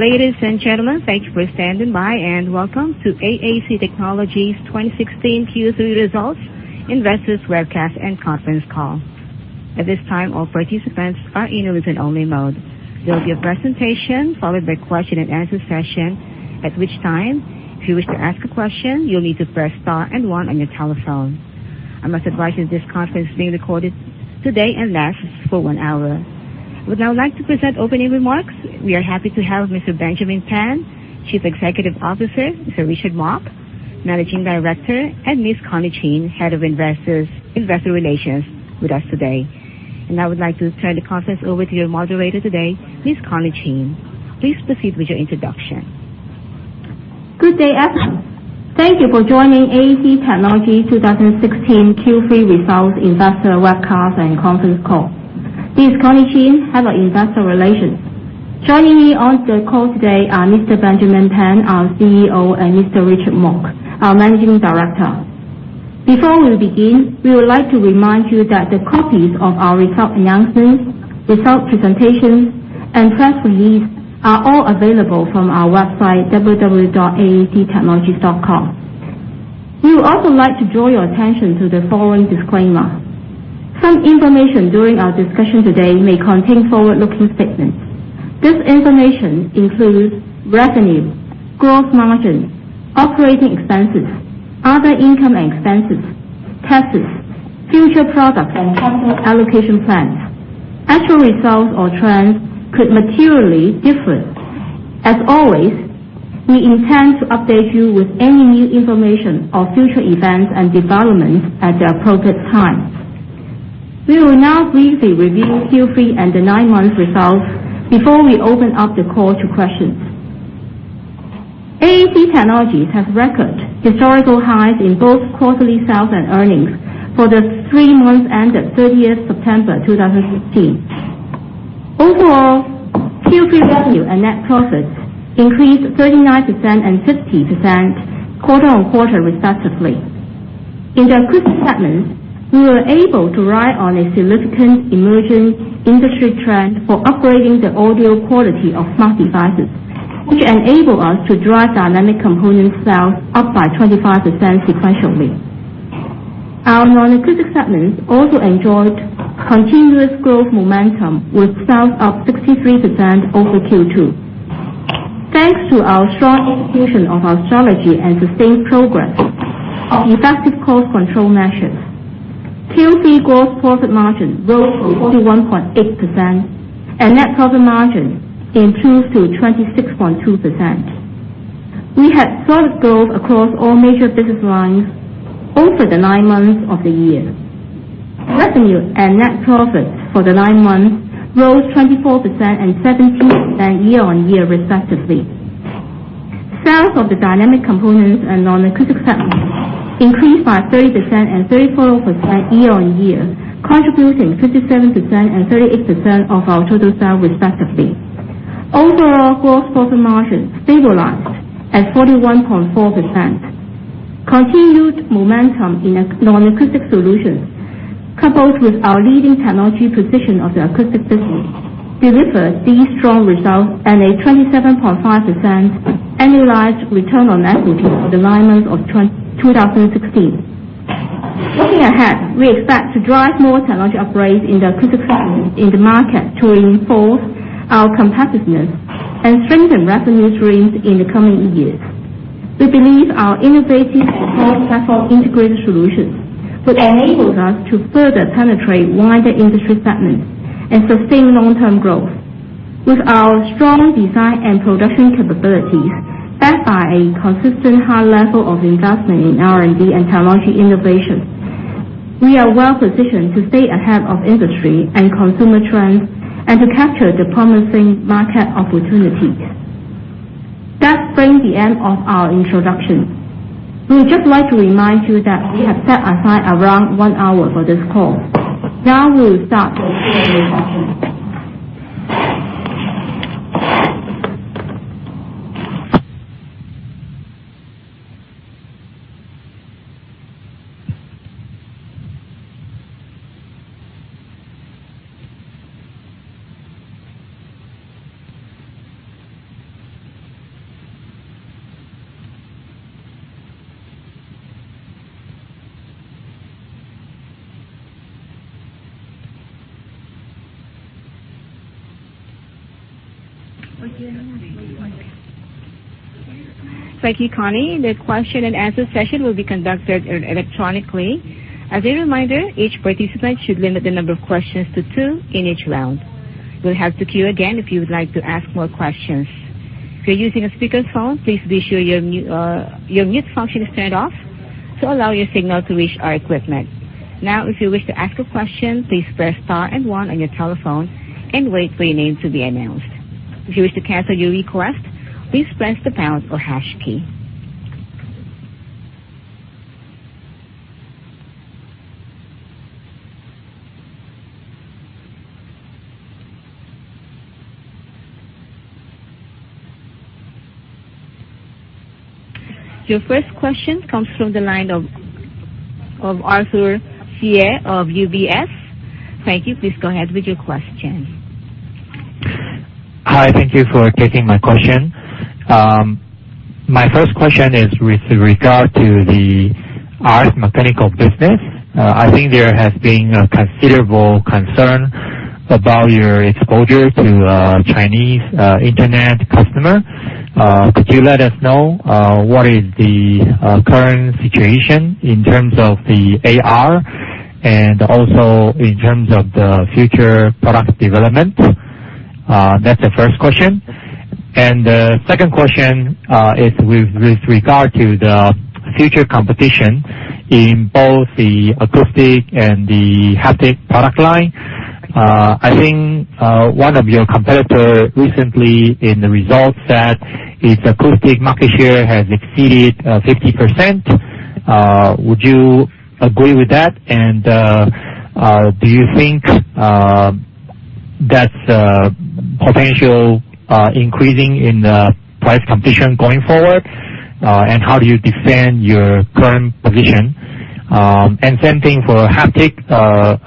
Ladies and gentlemen, thank you for standing by and welcome to AAC Technologies 2016 Q3 Results investors webcast and conference call. At this time, all participants are in a listen-only mode. There will be a presentation followed by question-and-answer session, at which time, if you wish to ask a question, you will need to press star 1 on your telephone. I must advise you this conference is being recorded today and lasts for 1 hour. We would now like to present opening remarks. We are happy to have Mr. Benjamin Pan, Chief Executive Officer, Mr. Richard Mok, Managing Director, and Ms. Connie Chin, Head of Investor Relations, with us today. I would like to turn the conference over to your moderator today, Ms. Connie Chin. Please proceed with your introduction. Good day, everyone. Thank you for joining AAC Technologies 2016 Q3 Results investor webcast and conference call. This is Connie Chin, Head of Investor Relations. Joining me on the call today are Mr. Benjamin Pan, our CEO, and Mr. Richard Mok, our Managing Director. Before we begin, we would like to remind you that the copies of our results announcements, results presentations, and press release are all available from our website, www.aactechnologies.com. We would also like to draw your attention to the following disclaimer. Some information during our discussion today may contain forward-looking statements. This information includes revenue, gross margins, operating expenses, other income and expenses, taxes, future products, and capital allocation plans. Actual results or trends could materially differ. As always, we intend to update you with any new information or future events and developments at the appropriate time. We will now briefly review Q3 and the nine months results before we open up the call to questions. AAC Technologies has record historical highs in both quarterly sales and earnings for the three months ended 30th September 2016. Overall, Q3 revenue and net profits increased 39% and 50% quarter-on-quarter respectively. In the Acoustic segment, we were able to ride on a significant emerging industry trend for upgrading the audio quality of smart devices, which enable us to drive dynamic component sales up by 25% sequentially. Our Non-Acoustic segment also enjoyed continuous growth momentum with sales up 63% over Q2. Thanks to our strong execution of our strategy and sustained progress of effective cost control measures, Q3 gross profit margin rose to 41.8%, and net profit margin improved to 26.2%. We had solid growth across all major business lines over the nine months of the year. Revenue and net profits for the nine months rose 24% and 17% year-on-year respectively. Sales of the dynamic components and Non-Acoustic segment increased by 30% and 34% year-on-year, contributing 57% and 38% of our total sales respectively. Overall gross profit margin stabilized at 41.4%. Continued momentum in Non-Acoustic solutions, coupled with our leading technology position of the Acoustic business, delivered these strong results and a 27.5% annualized return on equity for the nine months of 2016. Looking ahead, we expect to drive more technology upgrades in the Acoustic segment in the market to reinforce our competitiveness and strengthen revenue streams in the coming years. We believe our innovative cross-platform integrated solutions, which enables us to further penetrate wider industry segments and sustain long-term growth. With our strong design and production capabilities, backed by a consistent high level of investment in R&D and technology innovations, we are well-positioned to stay ahead of industry and consumer trends and to capture the promising market opportunities. That brings the end of our introduction. We would just like to remind you that we have set aside around one hour for this call. Now we will start with Q&A session. Thank you, Connie. The question and answer session will be conducted electronically. As a reminder, each participant should limit the number of questions to two in each round. You'll have to queue again if you would like to ask more questions. If you're using a speakerphone, please be sure your mute function is turned off to allow your signal to reach our equipment. Now, if you wish to ask a question, please press star and one on your telephone and wait for your name to be announced. If you wish to cancel your request, please press the pound or hash key. Your first question comes from the line of Arthur Hsieh of UBS. Thank you. Please go ahead with your question. Hi. Thank you for taking my question. My first question is with regard to the RF mechanical business. I think there has been a considerable concern about your exposure to Chinese internet customer. Could you let us know what is the current situation in terms of the A/R and also in terms of the future product development? That's the first question. The second question is with regard to the future competition in both the acoustic and the haptic product line. I think one of your competitor recently in the results said its acoustic market share has exceeded 50%. Would you agree with that? Do you think that's potential increasing in price competition going forward? How do you defend your current position? Same thing for haptic.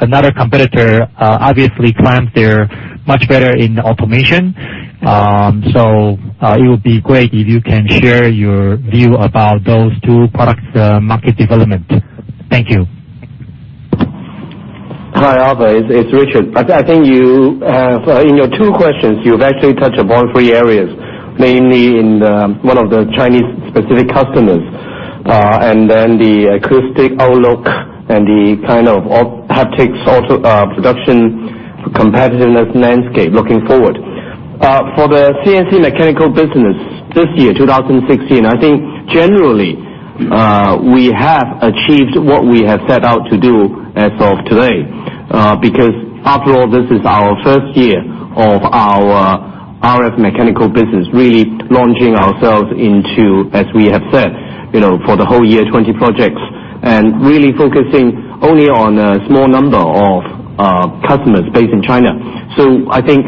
Another competitor obviously claims they're much better in automation. It would be great if you can share your view about those two products' market development. Thank you. Hi, Arthur. It's Richard. I think in your 2 questions, you've actually touched upon 3 areas. Namely in the 1 of the Chinese-specific customers, then the acoustic outlook, and the kind of haptics production competitiveness landscape looking forward. For the CNC mechanical business this year, 2016, I think generally, we have achieved what we have set out to do as of today. Because after all, this is our 1st year of our RF mechanical business, really launching ourselves into, as we have said, for the whole year, 20 projects. Really focusing only on a small number of customers based in China. I think,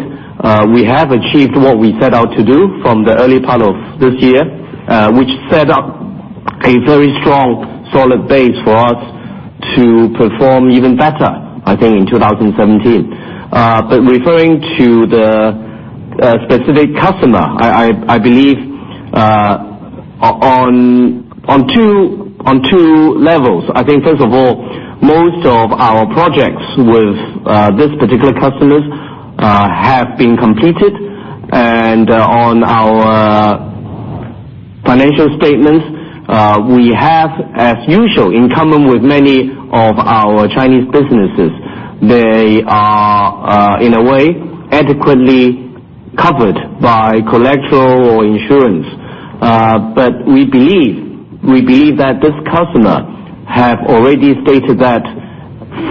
we have achieved what we set out to do from the early part of this year, which set up a very strong, solid base for us to perform even better, I think, in 2017. Referring to the specific customer, I believe, on 2 levels. I think, 1st of all, most of our projects with this particular customers have been completed, and on our financial statements, we have, as usual, in common with many of our Chinese businesses, they are in a way adequately covered by collateral or insurance. We believe that this customer have already stated that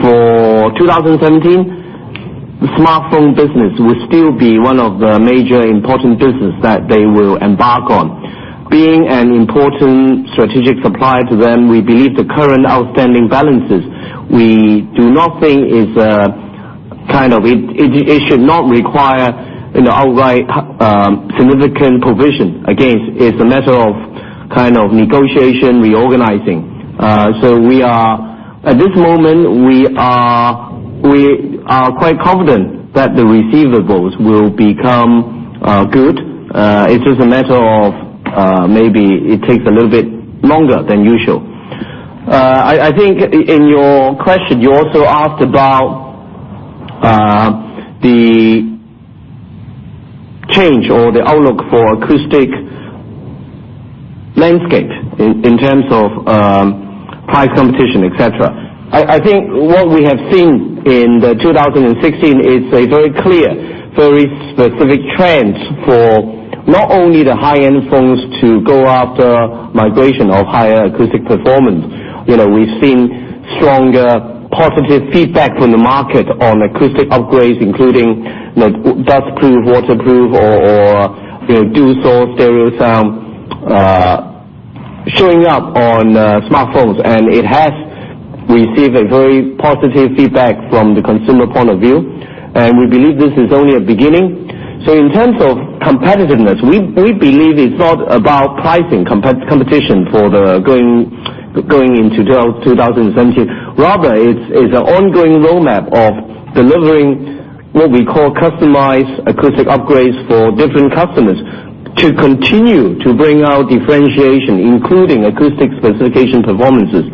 for 2017, the smartphone business will still be 1 of the major important business that they will embark on. Being an important strategic supplier to them, we believe the current outstanding balances, it should not require outright significant provision. Again, it's a matter of negotiation, reorganizing. At this moment, we are quite confident that the receivables will become good. It's just a matter of maybe it takes a little bit longer than usual. I think in your question, you also asked about the change or the outlook for acoustic landscape in terms of price competition, et cetera. I think what we have seen in the 2016 is a very clear, very specific trend for not only the high-end phones to go after migration of higher acoustic performance. We've seen stronger positive feedback from the market on acoustic upgrades, including dustproof, waterproof or dual source stereo sound showing up on smartphones. It has received a very positive feedback from the consumer point of view, and we believe this is only a beginning. In terms of competitiveness, we believe it's not about pricing competition for going into 2017. Rather, it's an ongoing roadmap of delivering what we call customized acoustic upgrades for different customers to continue to bring out differentiation, including acoustic specification performances,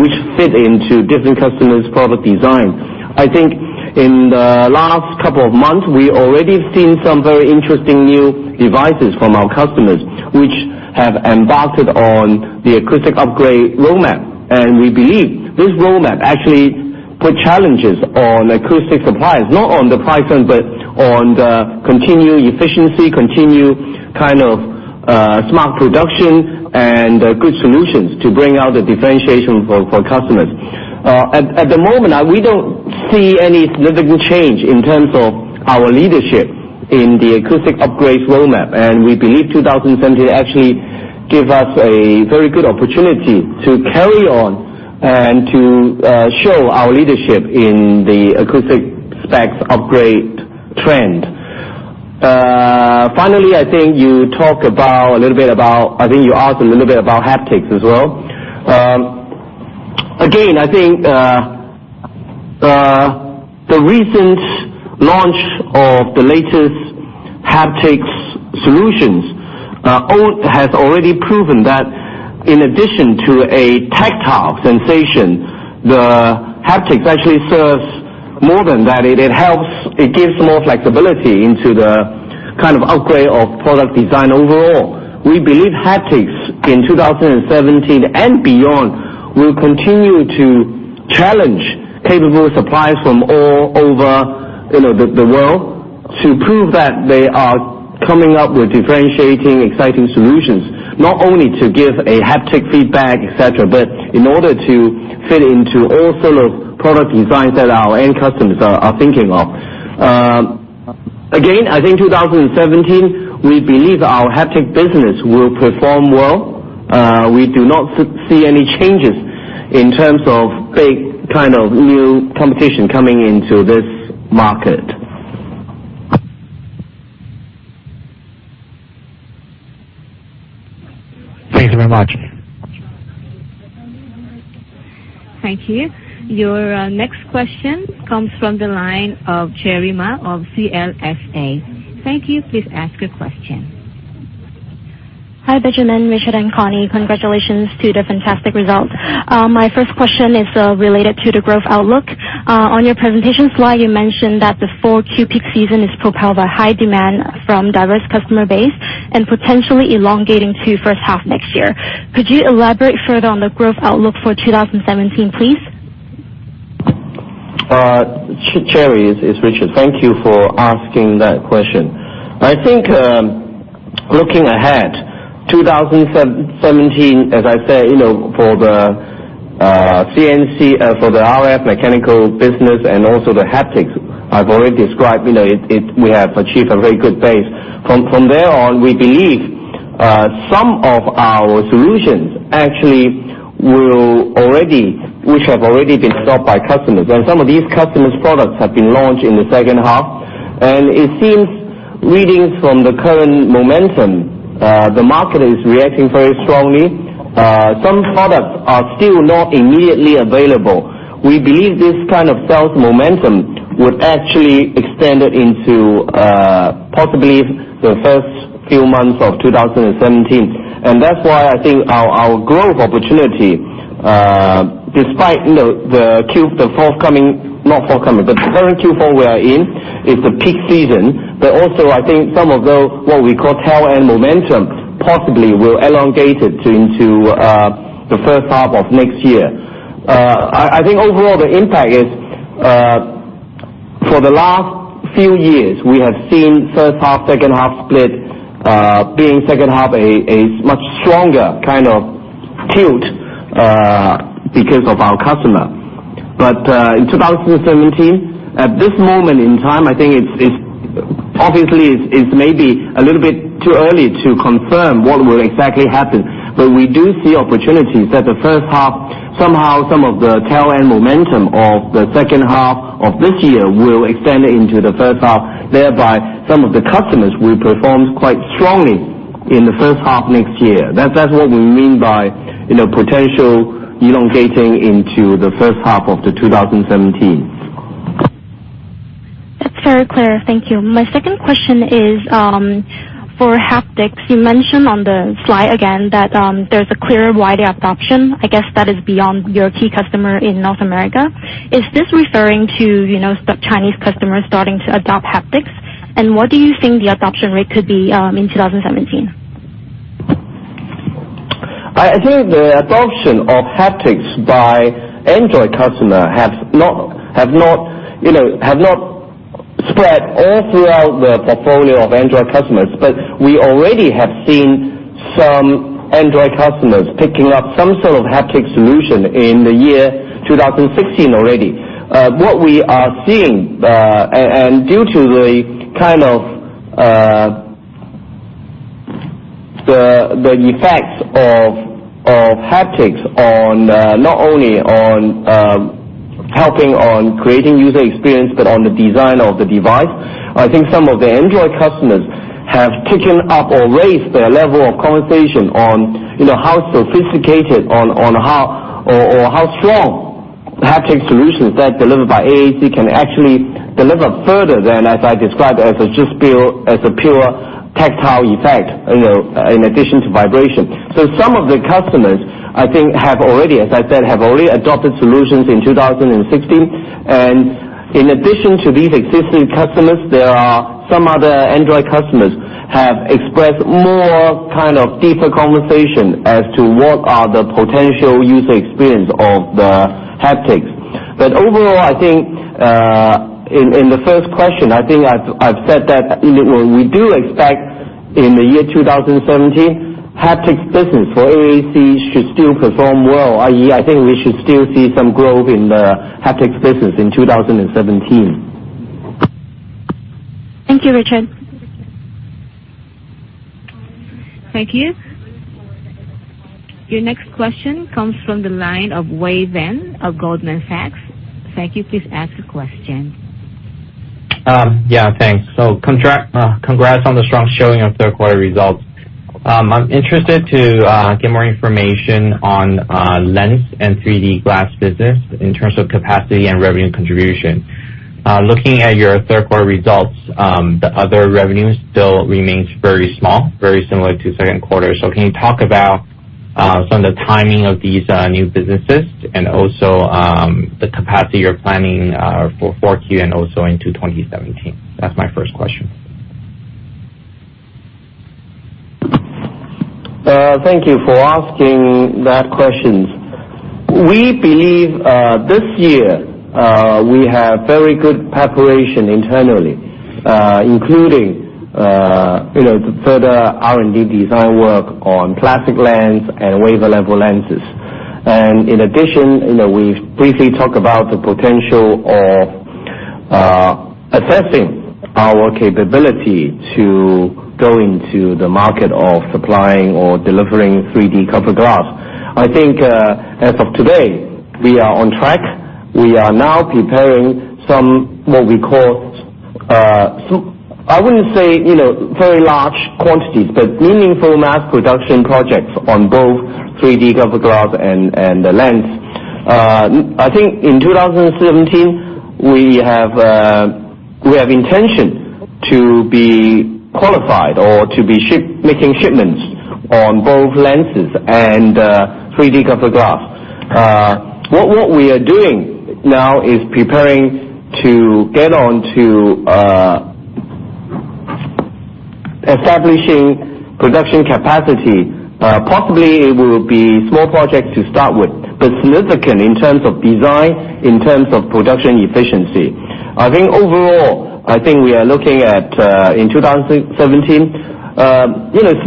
which fit into different customers' product design. I think in the last couple of months, we already seen some very interesting new devices from our customers which have embarked on the acoustic upgrade roadmap. We believe this roadmap actually put challenges on acoustic suppliers, not on the pricing, but on the continued efficiency, continued smart production, and good solutions to bring out the differentiation for customers. At the moment, we don't see any significant change in terms of our leadership in the acoustic upgrades roadmap. We believe 2017 actually give us a very good opportunity to carry on and to show our leadership in the acoustic specs upgrade trend. Finally, I think you asked a little bit about haptics as well. Again, I think the recent launch of the latest haptics solutions has already proven that in addition to a tactile sensation, the haptics actually serves more than that. It gives more flexibility into the kind of upgrade of product design overall. We believe haptics in 2017 and beyond will continue to challenge capable suppliers from all over the world to prove that they are coming up with differentiating, exciting solutions. Not only to give a haptic feedback, et cetera, but in order to fit into all sort of product designs that our end customers are thinking of. Again, I think 2017, we believe our haptic business will perform well. We do not see any changes in terms of big kind of new competition coming into this market. Thanks very much. Thank you. Your next question comes from the line of Cherry Ma of CLSA. Thank you. Please ask your question. Hi, Benjamin, Richard, and Connie. Congratulations to the fantastic result. My first question is related to the growth outlook. On your presentation slide, you mentioned that the 4Q peak season is propelled by high demand from diverse customer base and potentially elongating to first half next year. Could you elaborate further on the growth outlook for 2017, please? Cherry, it's Richard. Thank you for asking that question. Looking ahead, 2017, as I said for the RF mechanical business and also the haptics, I've already described we have achieved a very good base. From thereon, we believe some of our solutions actually which have already been adopted by customers, and some of these customers' products have been launched in the second half. It seems readings from the current momentum, the market is reacting very strongly. Some products are still not immediately available. We believe this kind of sales momentum would actually extend into possibly the first few months of 2017. That's why I think our growth opportunity, despite the current Q4 we are in, is the peak season. Also, I think some of the, what we call tail end momentum, possibly will elongate it into the first half of next year. I think overall the impact is, for the last few years we have seen first half, second half split, being second half a much stronger kind of tilt because of our customer. In 2017, at this moment in time, I think obviously it's maybe a little bit too early to confirm what will exactly happen. We do see opportunities that the first half, somehow some of the tail end momentum of the second half of this year will extend into the first half, thereby some of the customers will perform quite strongly in the first half next year. That's what we mean by potential elongating into the first half of the 2017. That's very clear. Thank you. My second question is for haptics. You mentioned on the slide again that there's a clear wider adoption. I guess that is beyond your key customer in North America. Is this referring to Chinese customers starting to adopt haptics? What do you think the adoption rate could be in 2017? I think the adoption of haptics by Android customer have not spread all throughout the portfolio of Android customers. We already have seen some Android customers picking up some sort of haptic solution in the year 2016 already. What we are seeing, due to the kind of effects of haptics on not only on helping on creating user experience, but on the design of the device. I think some of the Android customers have kicked up or raised their level of conversation on how sophisticated or how strong the haptic solutions that delivered by AAC can actually deliver further than as I described, as a pure tactile effect in addition to vibration. Some of the customers I think, as I said, have already adopted solutions in 2016. In addition to these existing customers, there are some other Android customers have expressed more kind of deeper conversation as to what are the potential user experience of the haptics. Overall, I think in the first question, I think I've said that we do expect in the year 2017, haptics business for AAC should still perform well, i.e., I think we should still see some growth in the haptics business in 2017. Thank you, Richard Thank you. Your next question comes from the line of Wei Chen of Goldman Sachs. Wei, please ask your question. Thanks. Congrats on the strong showing of third-quarter results. I'm interested to get more information on lens and 3D glass business in terms of capacity and revenue contribution. Looking at your third-quarter results, the other revenues still remains very small, very similar to second quarter. Can you talk about some of the timing of these new businesses and also the capacity you're planning for 4Q and also into 2017? That's my first question. Thank you for asking that question. We believe this year we have very good preparation internally, including further R&D design work on plastic lens and wafer level lenses. In addition, we've briefly talked about the potential of assessing our capability to go into the market of supplying or delivering 3D cover glass. I think as of today, we are on track. We are now preparing some what we call meaningful mass production projects on both 3D cover glass and the lens. I think in 2017, we have intention to be qualified or to be making shipments on both lenses and 3D cover glass. What we are doing now is preparing to get on to establishing production capacity. Possibly it will be small projects to start with, but significant in terms of design, in terms of production efficiency. Overall, we are looking at, in 2017,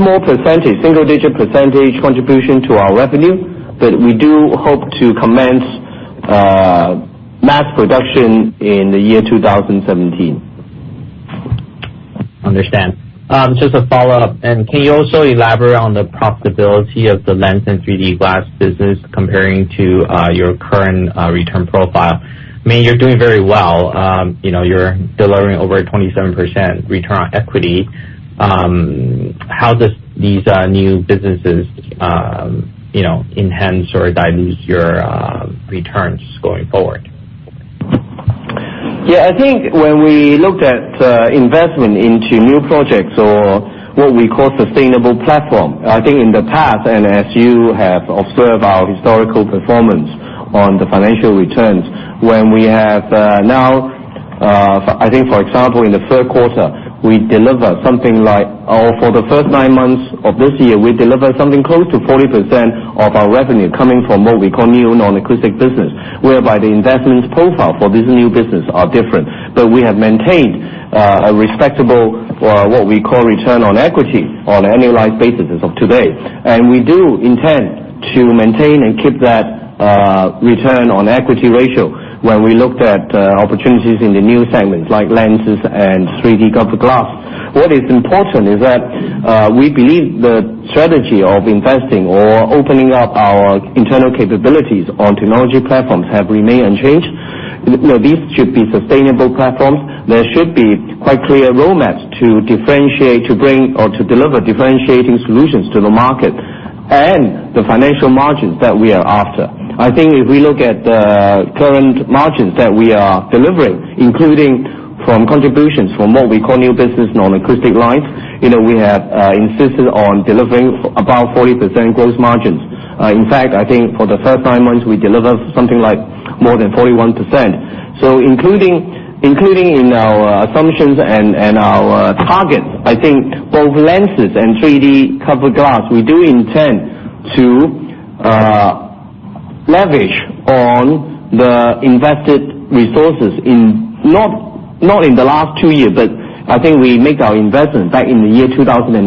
small percentage, single-digit % contribution to our revenue. We do hope to commence mass production in the year 2017. Understand. Just a follow-up, can you also elaborate on the profitability of the lens and 3D cover glass business comparing to your current return profile? I mean, you're doing very well. You're delivering over a 27% return on equity. How does these new businesses enhance or dilute your returns going forward? When we looked at investment into new projects or what we call sustainable platform, in the past and as you have observed our historical performance on the financial returns, for example, for the first nine months of this year, we delivered something close to 40% of our revenue coming from what we call new non-acoustic business, whereby the investment profile for this new business are different. We have maintained a respectable, what we call return on equity on an annualized basis as of today. We do intend to maintain and keep that return on equity ratio when we looked at opportunities in the new segments like lenses and 3D cover glass. What is important is that we believe the strategy of investing or opening up our internal capabilities on technology platforms have remained unchanged. These should be sustainable platforms. There should be quite clear roadmaps to differentiate, to bring or to deliver differentiating solutions to the market, and the financial margins that we are after. I think if we look at the current margins that we are delivering, including from contributions from what we call new business non-acoustic lines, we have insisted on delivering about 40% gross margins. In fact, I think for the first nine months, we delivered something like more than 41%. Including in our assumptions and our targets, I think both lenses and 3D cover glass, we do intend to leverage on the invested resources in not in the last two years, but I think we make our investment back in the year 2009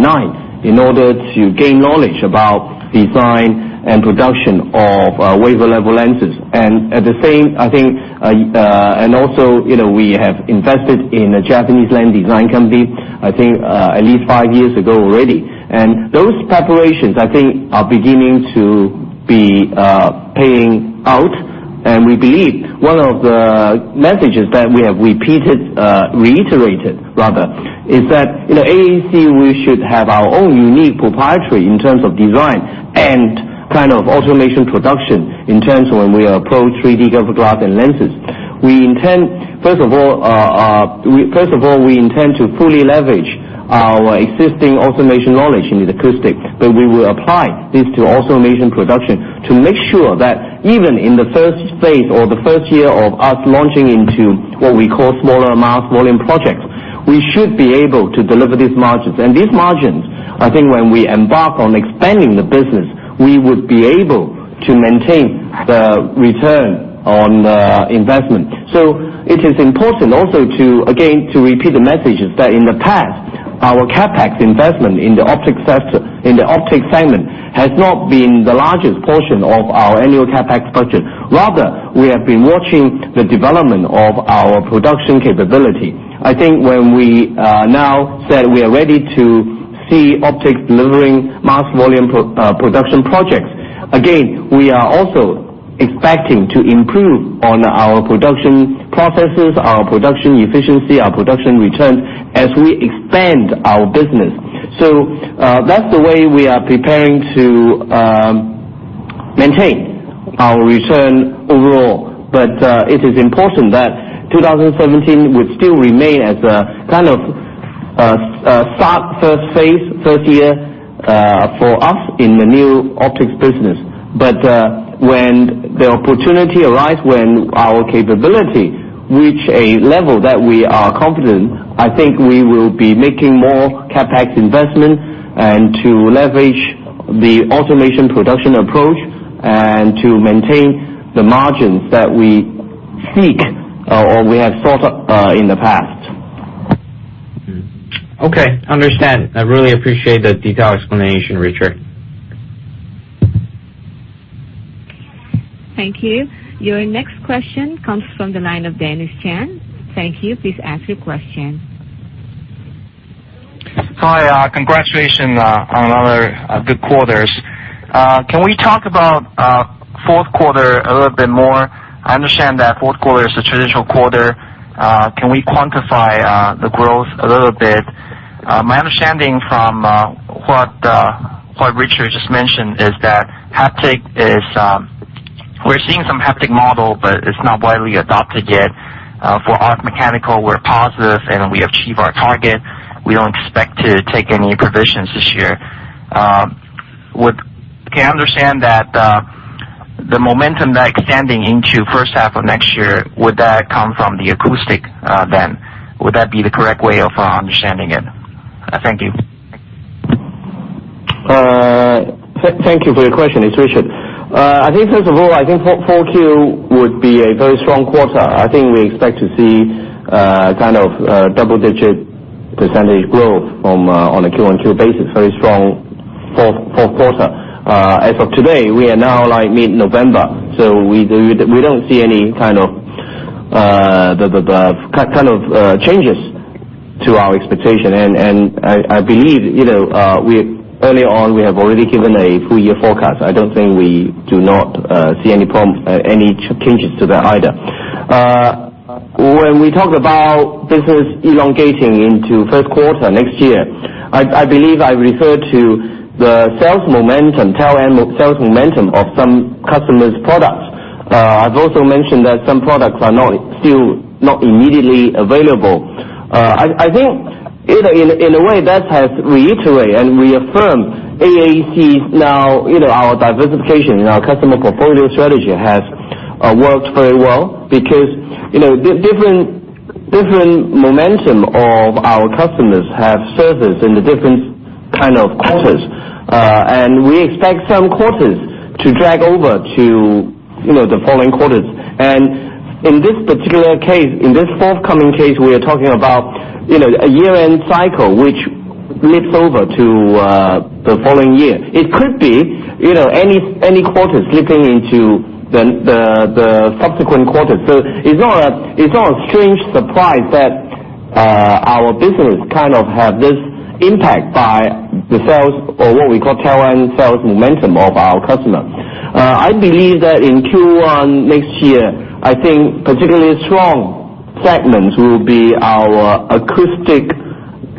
in order to gain knowledge about design and production of wafer level lenses. At the same, and also we have invested in a Japanese lens design company, at least five years ago already. Those preparations are beginning to be paying out. We believe one of the messages that we have repeated, reiterated rather, is that in AAC, we should have our own unique proprietary in terms of design and kind of automation production in terms when we approach 3D cover glass and lenses. First of all, we intend to fully leverage our existing automation knowledge in the acoustic, but we will apply this to automation production to make sure that even in the first phase or the first year of us launching into what we call smaller mass volume projects, we should be able to deliver these margins. These margins, when we embark on expanding the business, we would be able to maintain the return on investment. It is important also to, again, to repeat the messages that in the past, our CapEx investment in the Optics segment has not been the largest portion of our annual CapEx budget. Rather, we have been watching the development of our production capability. When we now say we are ready to see optics delivering mass volume production projects, again, we are also expecting to improve on our production processes, our production efficiency, our production return as we expand our business. That's the way we are preparing to maintain our return overall. It is important that 2017 would still remain as a kind of start, first phase, first year, for us in the new optics business. When the opportunity arise, when our capability reach a level that we are confident, we will be making more CapEx investment and to leverage the automation production approach and to maintain the margins that we seek or we have sought in the past. Okay, understand. I really appreciate the detailed explanation, Richard. Thank you. Your next question comes from the line of Dennis Chan. Thank you. Please ask your question. Hi. Congratulations on another good quarters. Can we talk about fourth quarter a little bit more? I understand that fourth quarter is a traditional quarter. Can we quantify the growth a little bit? My understanding from what Richard just mentioned is that we're seeing some haptic model, but it's not widely adopted yet. For RF mechanical, we're positive and we achieve our target. We don't expect to take any provisions this year. Can I understand that the momentum that extending into first half of next year, would that come from the acoustic, then? Would that be the correct way of understanding it? Thank you. Thank you for your question, it's Richard. I think first of all, I think 4Q would be a very strong quarter. I think we expect to see kind of double-digit percentage growth on a Q-on-Q basis, very strong fourth quarter. As of today, we are now like mid-November, we don't see any kind of changes to our expectation. I believe early on, we have already given a full-year forecast. I don't think we do not see any changes to that either. When we talk about business elongating into first quarter next year, I believe I referred to the sales momentum, tail-end sales momentum of some customers' products. I've also mentioned that some products are still not immediately available. I think in a way that has reiterated and reaffirmed AAC's now, our diversification and our customer portfolio strategy has worked very well because different momentum of our customers have surfaced in the different kind of quarters. We expect some quarters to drag over to the following quarters. In this particular case, in this forthcoming case, we are talking about a year-end cycle which leaps over to the following year. It could be any quarter slipping into the subsequent quarters. It's not a strange surprise that our business kind of have this impact by the sales or what we call tail-end sales momentum of our customer. I believe that in Q1 next year, I think particularly strong segments will be our acoustic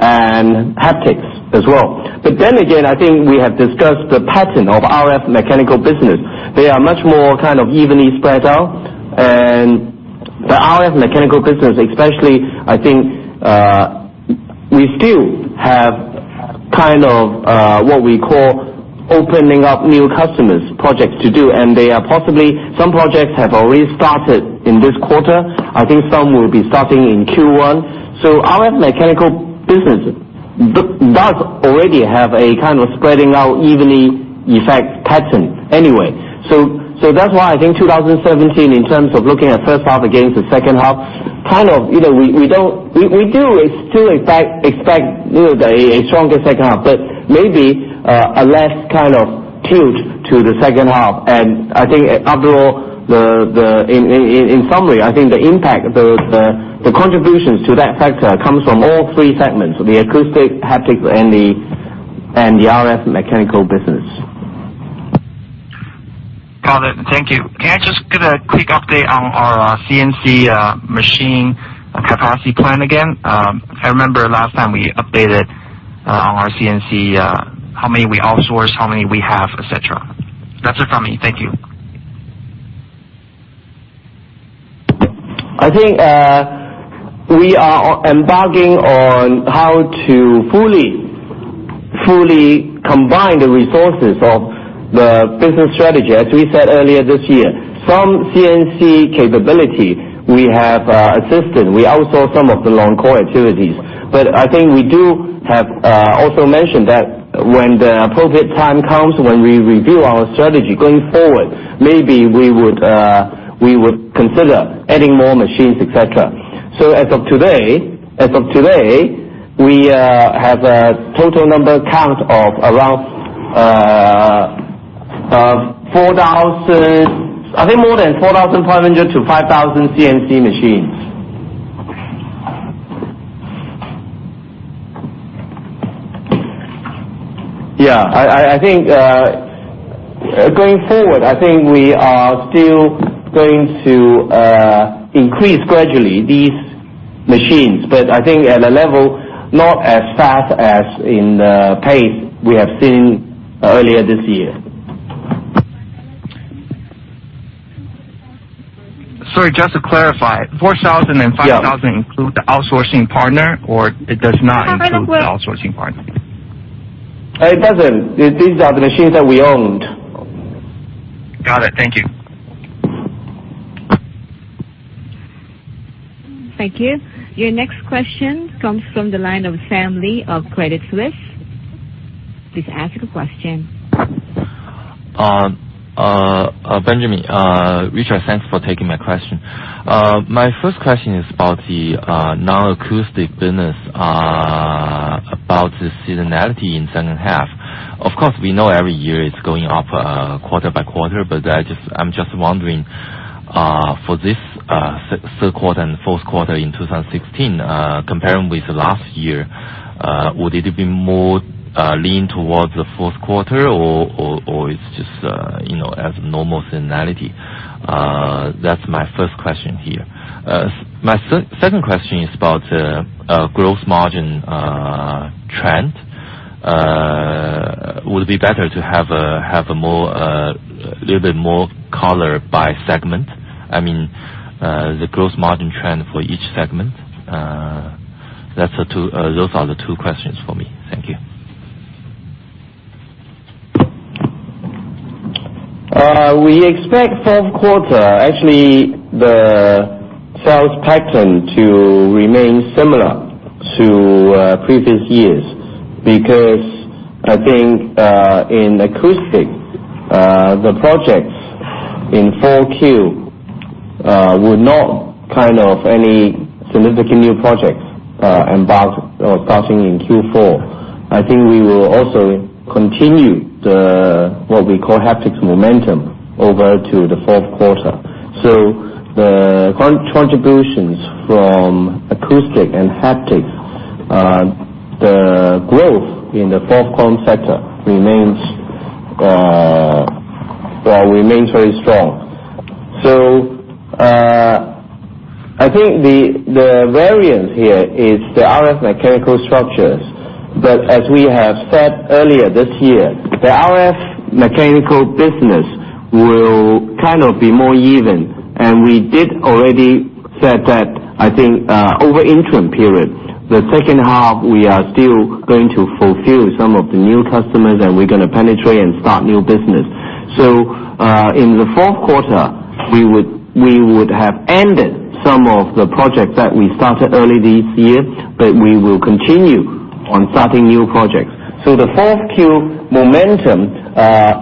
and haptics as well. Then again, I think we have discussed the pattern of RF mechanical business. They are much more kind of evenly spread out. The RF mechanical business, especially, I think, we still have kind of what we call opening up new customers projects to do, and they are possibly some projects have already started in this quarter. I think some will be starting in Q1. RF mechanical business does already have a kind of spreading out evenly effect pattern anyway. That's why I think 2017 in terms of looking at first half against the second half, we do still expect a stronger second half, but maybe a less kind of tilt to the second half. After all, in summary, I think the impact, the contributions to that factor comes from all three segments, the acoustic, haptic, and the RF mechanical business. Got it. Thank you. Can I just get a quick update on our CNC machine capacity plan again? I remember last time we updated on our CNC, how many we outsource, how many we have, et cetera. That's it from me. Thank you. I think we are embarking on how to fully combine the resources of the business strategy. As we said earlier this year, some CNC capability we have assisted. We outsource some of the non-core activities. I think we do have also mentioned that when the appropriate time comes when we review our strategy going forward, maybe we would consider adding more machines, et cetera. As of today, we have a total number count of around 4,000, I think more than 4,500 to 5,000 CNC machines. Going forward, I think we are still going to increase gradually these machines, I think at a level not as fast as in the pace we have seen earlier this year. Sorry, just to clarify, 4,000. Yeah 5,000 include the outsourcing partner or it does not. Cover the whole. the outsourcing partner? It doesn't. These are the machines that we owned. Got it. Thank you. Thank you. Your next question comes from the line of Sam Li of Credit Suisse. Please ask your question. Benjamin. Richard, thanks for taking my question. My first question is about the non-acoustic business, about the seasonality in second half. Of course, we know every year it's going up quarter by quarter. I'm just wondering, for this third quarter and fourth quarter in 2016, comparing with last year, would it be more lean towards the fourth quarter or it's just as normal seasonality? That's my first question here. My second question is about gross margin trend. Would it be better to have a little bit more color by segment? I mean, the gross margin trend for each segment. Those are the two questions for me. Thank you. We expect fourth quarter, actually, the sales pattern to remain similar to previous years because I think, in acoustic, the projects in 4Q would not kind of any significant new projects embarked or starting in Q4. I think we will also continue the, what we call haptics momentum over to the fourth quarter. The contributions from acoustic and haptics, the growth in the fourth quarter remains very strong. I think the variant here is the RF mechanical structures. As we have said earlier this year, the RF mechanical business will kind of be more even, and we did already said that, I think, over interim periods. The second half, we are still going to fulfill some of the new customers, and we're going to penetrate and start new business. In the fourth quarter, we would have ended some of the projects that we started early this year, but we will continue on starting new projects. The 4Q momentum,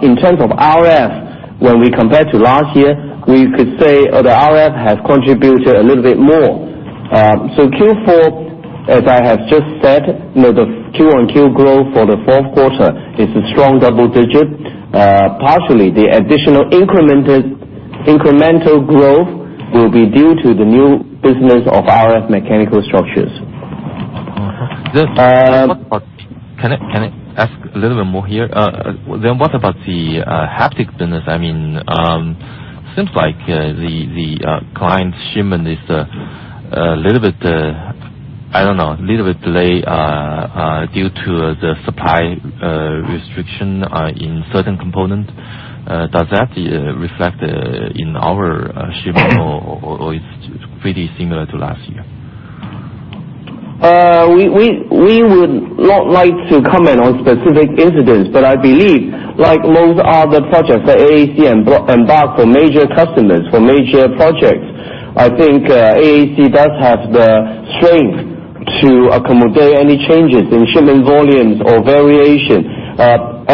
in terms of RF, when we compare to last year, we could say the RF has contributed a little bit more. Q4, as I have just said, the Q-on-Q growth for the fourth quarter is a strong double digit. Partially, the additional incremental growth will be due to the new business of RF mechanical structures. Can I ask a little bit more here? What about the haptics business? Seems like the client shipment is a little bit delay due to the supply restriction in certain component. Does that reflect in our shipment or it's pretty similar to last year? We would not like to comment on specific incidents, but I believe, like most other projects that AAC embarked for major customers, for major projects, I think AAC does have the strength to accommodate any changes in shipment volumes or variation, or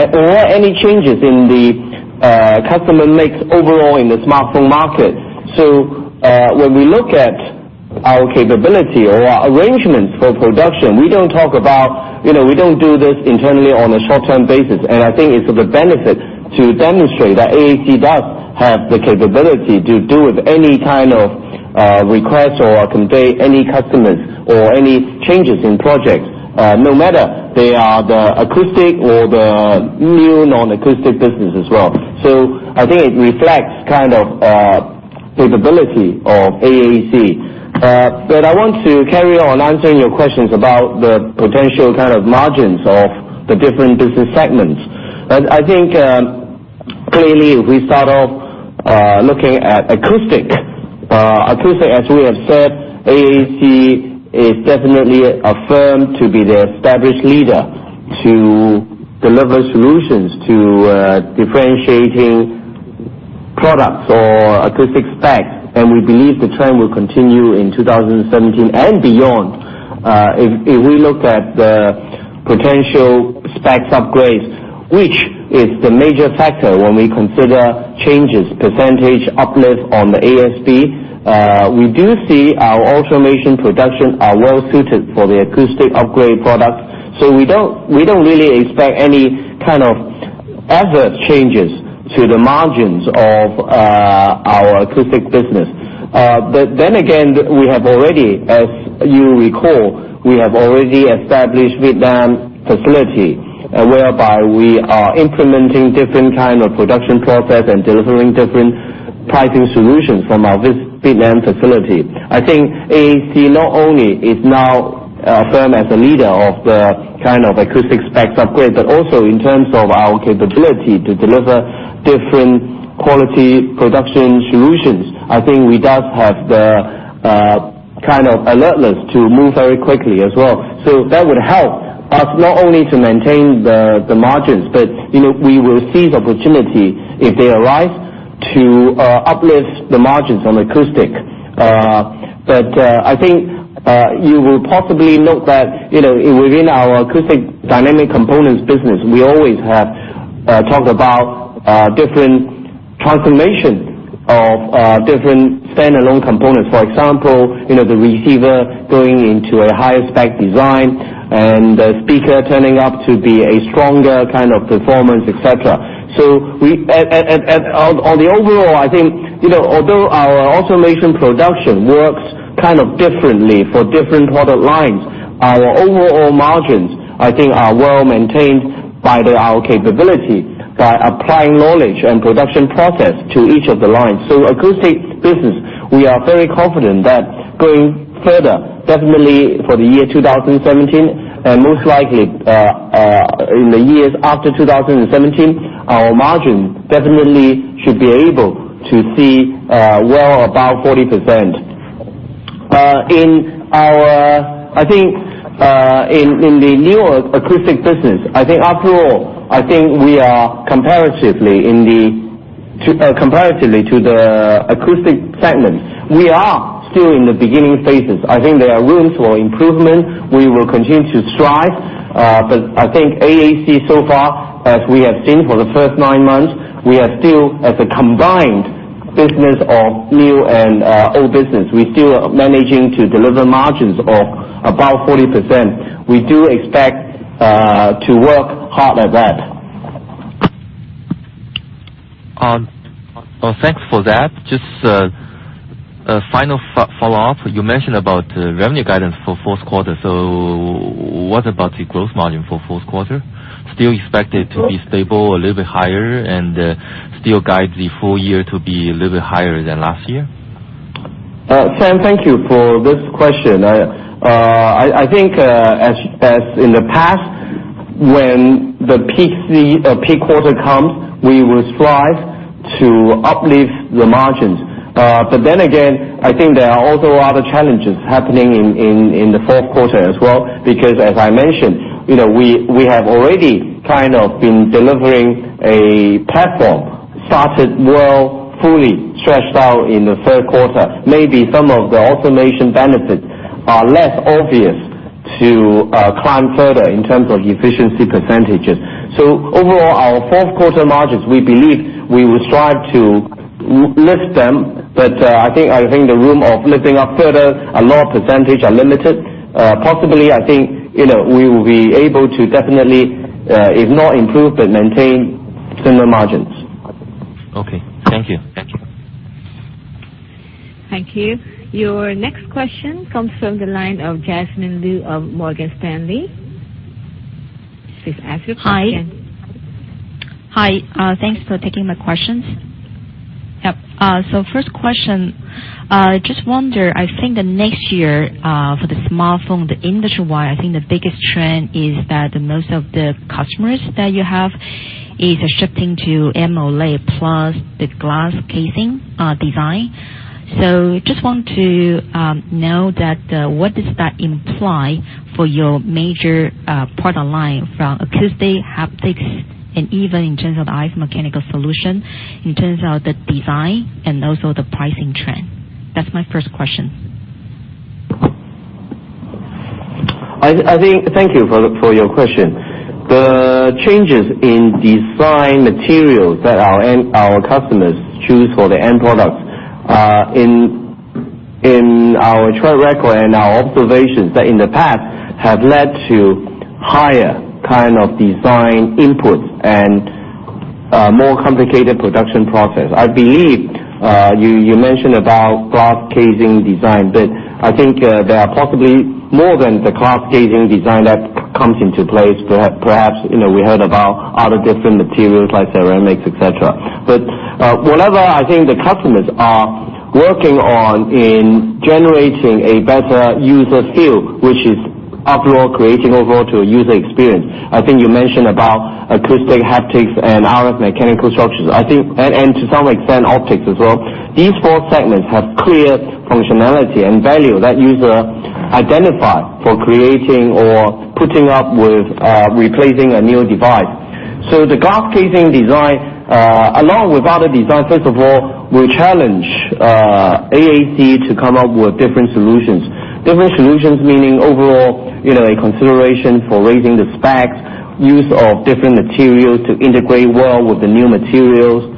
any changes in the customer mix overall in the smartphone market. When we look at our capability or our arrangements for production, we don't do this internally on a short-term basis, and I think it's for the benefit to demonstrate that AAC does have the capability to deal with any kind of requests or accommodate any customers or any changes in projects, no matter they are the acoustic or the new non-acoustic business as well. I think it reflects kind of capability of AAC. I want to carry on answering your questions about the potential kind of margins of the different business segments. Clearly, if we start off looking at acoustic. Acoustic, as we have said, AAC is definitely affirmed to be the established leader to deliver solutions to differentiating products or acoustic specs, and we believe the trend will continue in 2017 and beyond. If we look at the potential specs upgrades, which is the major factor when we consider changes, percentage uplift on the ASP, we do see our automation production are well-suited for the acoustic upgrade product. We don't really expect any kind of adverse changes to the margins of our acoustic business. Again, as you recall, we have already established Vietnam facility, whereby we are implementing different kind of production process and delivering different pricing solutions from our Vietnam facility. AAC not only is now firm as a leader of the acoustic spec upgrade, but also in terms of our capability to deliver different quality production solutions. We do have the alertness to move very quickly as well. That would help us not only to maintain the margins, but we will seize opportunity, if they arise, to uplift the margins on acoustic. You will possibly note that, within our acoustic dynamic components business, we always have talked about different transformations of different standalone components. For example, the receiver going into a higher spec design and the speaker turning out to be a stronger kind of performance, et cetera. On the overall, although our automation production works kind of differently for different product lines, our overall margins are well-maintained by our capability, by applying knowledge and production process to each of the lines. Acoustic business, we are very confident that going further, definitely for the year 2017, and most likely, in the years after 2017, our margin definitely should be able to see well above 40%. In the newer acoustic business, after all, we are comparatively to the acoustic segment. We are still in the beginning phases. There are rooms for improvement. We will continue to strive. AAC so far, as we have seen for the first nine months, we are still at the combined business of new and old business. We're still managing to deliver margins of about 40%. We do expect to work hard at that. Thanks for that. Just a final follow-up. You mentioned about the revenue guidance for fourth quarter. What about the gross margin for fourth quarter? Still expect it to be stable, a little bit higher, and still guide the full year to be a little bit higher than last year? Sam, thank you for this question. I think, as in the past, when the peak quarter comes, we will strive to uplift the margins. I think there are also other challenges happening in the fourth quarter as well, because as I mentioned, we have already kind of been delivering a platform started well, fully stretched out in the third quarter. Maybe some of the automation benefits are less obvious to climb further in terms of efficiency percentages. Our fourth quarter margins, we believe we will strive to lift them. I think the room of lifting up further, a lot of percentage are limited. Possibly, I think, we will be able to definitely, if not improve, but maintain similar margins. Okay. Thank you. Thank you. Your next question comes from the line of Jasmine Lu of Morgan Stanley. Please ask your question. Hi. Thanks for taking my questions. First question. Just wonder, I think that next year, for the smartphone, the industry-wide, I think the biggest trend is that the most of the customers that you have is shifting to AMOLED plus the glass casing design. Just want to know that, what does that imply for your major product line from acoustic, haptics, and even in terms of the RF mechanical solution, in terms of the design and also the pricing trend? That's my first question. Thank you for your question. The changes in design materials that our customers choose for the end products, in our track record and our observations that in the past have led to higher kind of design inputs and more complicated production process. I believe, you mentioned about glass casing design, there are possibly more than the glass casing design that comes into place. Perhaps, we heard about other different materials like ceramics, et cetera. Whatever, I think the customers are working on in generating a better user feel, which is after all creating overall to a user experience. I think you mentioned about acoustic, haptics, and RF mechanical structures. To some extent, optics as well. These four segments have clear functionality and value that user identify for creating or putting up with replacing a new device. The glass casing design, along with other designs, first of all, will challenge AAC to come up with different solutions. Different solutions meaning overall, a consideration for raising the specs, use of different materials to integrate well with the new materials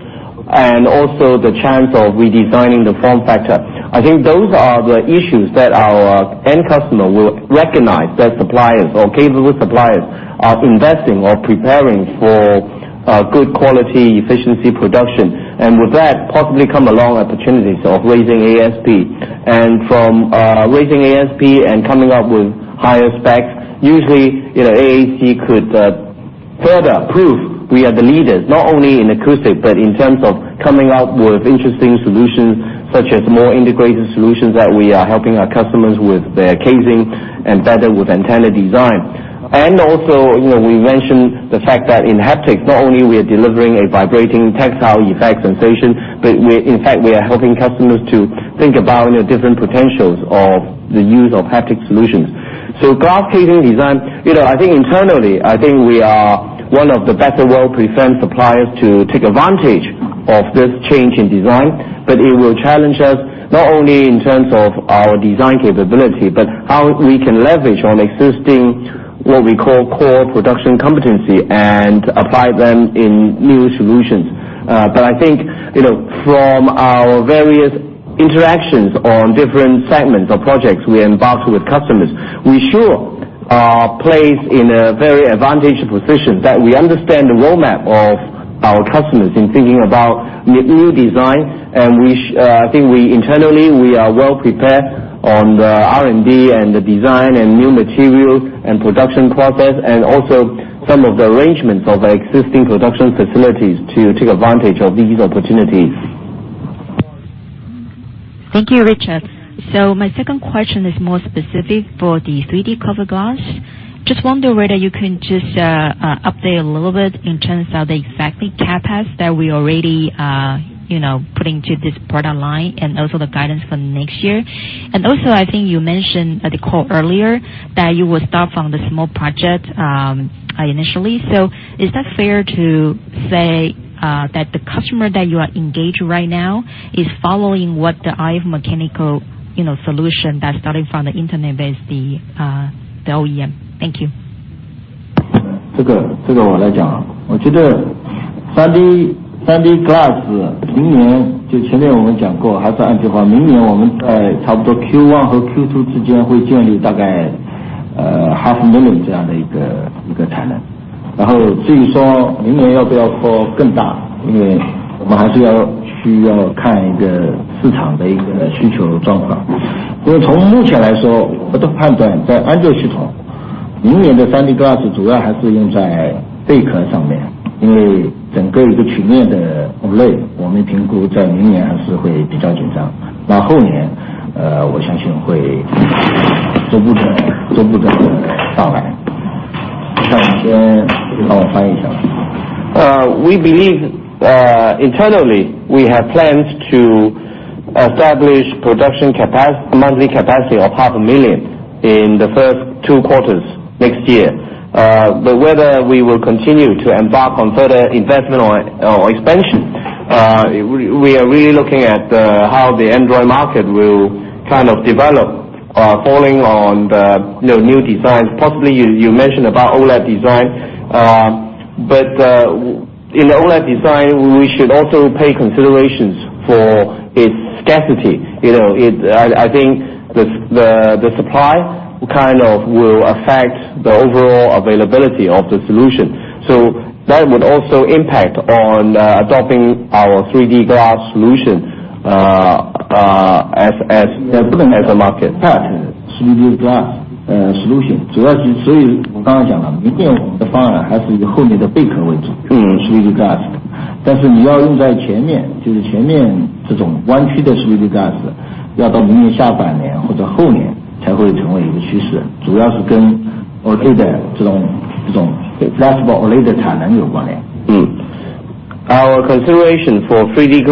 also the chance of redesigning the form factor. I think those are the issues that our end customer will recognize, that suppliers or capable suppliers are investing or preparing for good quality efficiency production. With that, possibly come along opportunities of raising ASP. From raising ASP and coming up with higher specs, usually, AAC could further prove we are the leaders, not only in acoustic, but in terms of coming up with interesting solutions, such as more integrated solutions that we are helping our customers with their casing and better with antenna design. Also, we mentioned the fact that in haptics, not only are we delivering a vibrating tactile effect sensation, but in fact, we are helping customers to think about different potentials of the use of haptic solutions. Glass casing design, internally, I think we are one of the better well-prepared suppliers to take advantage of this change in design. It will challenge us, not only in terms of our design capability, but how we can leverage on existing, what we call core production competency, and apply them in new solutions. I think, from our various interactions on different segments or projects we embark with customers, we sure are placed in a very advantageous position that we understand the roadmap of our customers in thinking about new design. Internally, we are well prepared on the R&D and the design and new material and production process, and also some of the arrangements of our existing production facilities to take advantage of these opportunities. Thank you, Richard. My second question is more specific for the 3D cover glass. Just wonder whether you can just update a little bit in terms of the exactly CapEx that we already put into this product line and also the guidance for next year. I think you mentioned the call earlier, that you would start from the small project initially. Is that fair to say that the customer that you are engaged right now is following what the RF mechanical solution that started from the internet-based OEM? Thank you. We believe internally we have plans to establish production monthly capacity of half a million in the first two quarters next year. Whether we will continue to embark on further investment or expansion, we are really looking at how the Android market will kind of develop, falling on the new designs. Possibly, you mentioned about OLED design. In OLED design, we should also pay considerations for its scarcity. I think the supply kind of will affect the overall availability of the solution. That would also impact on adopting our 3D glass solution as different as a market. Our consideration for 3D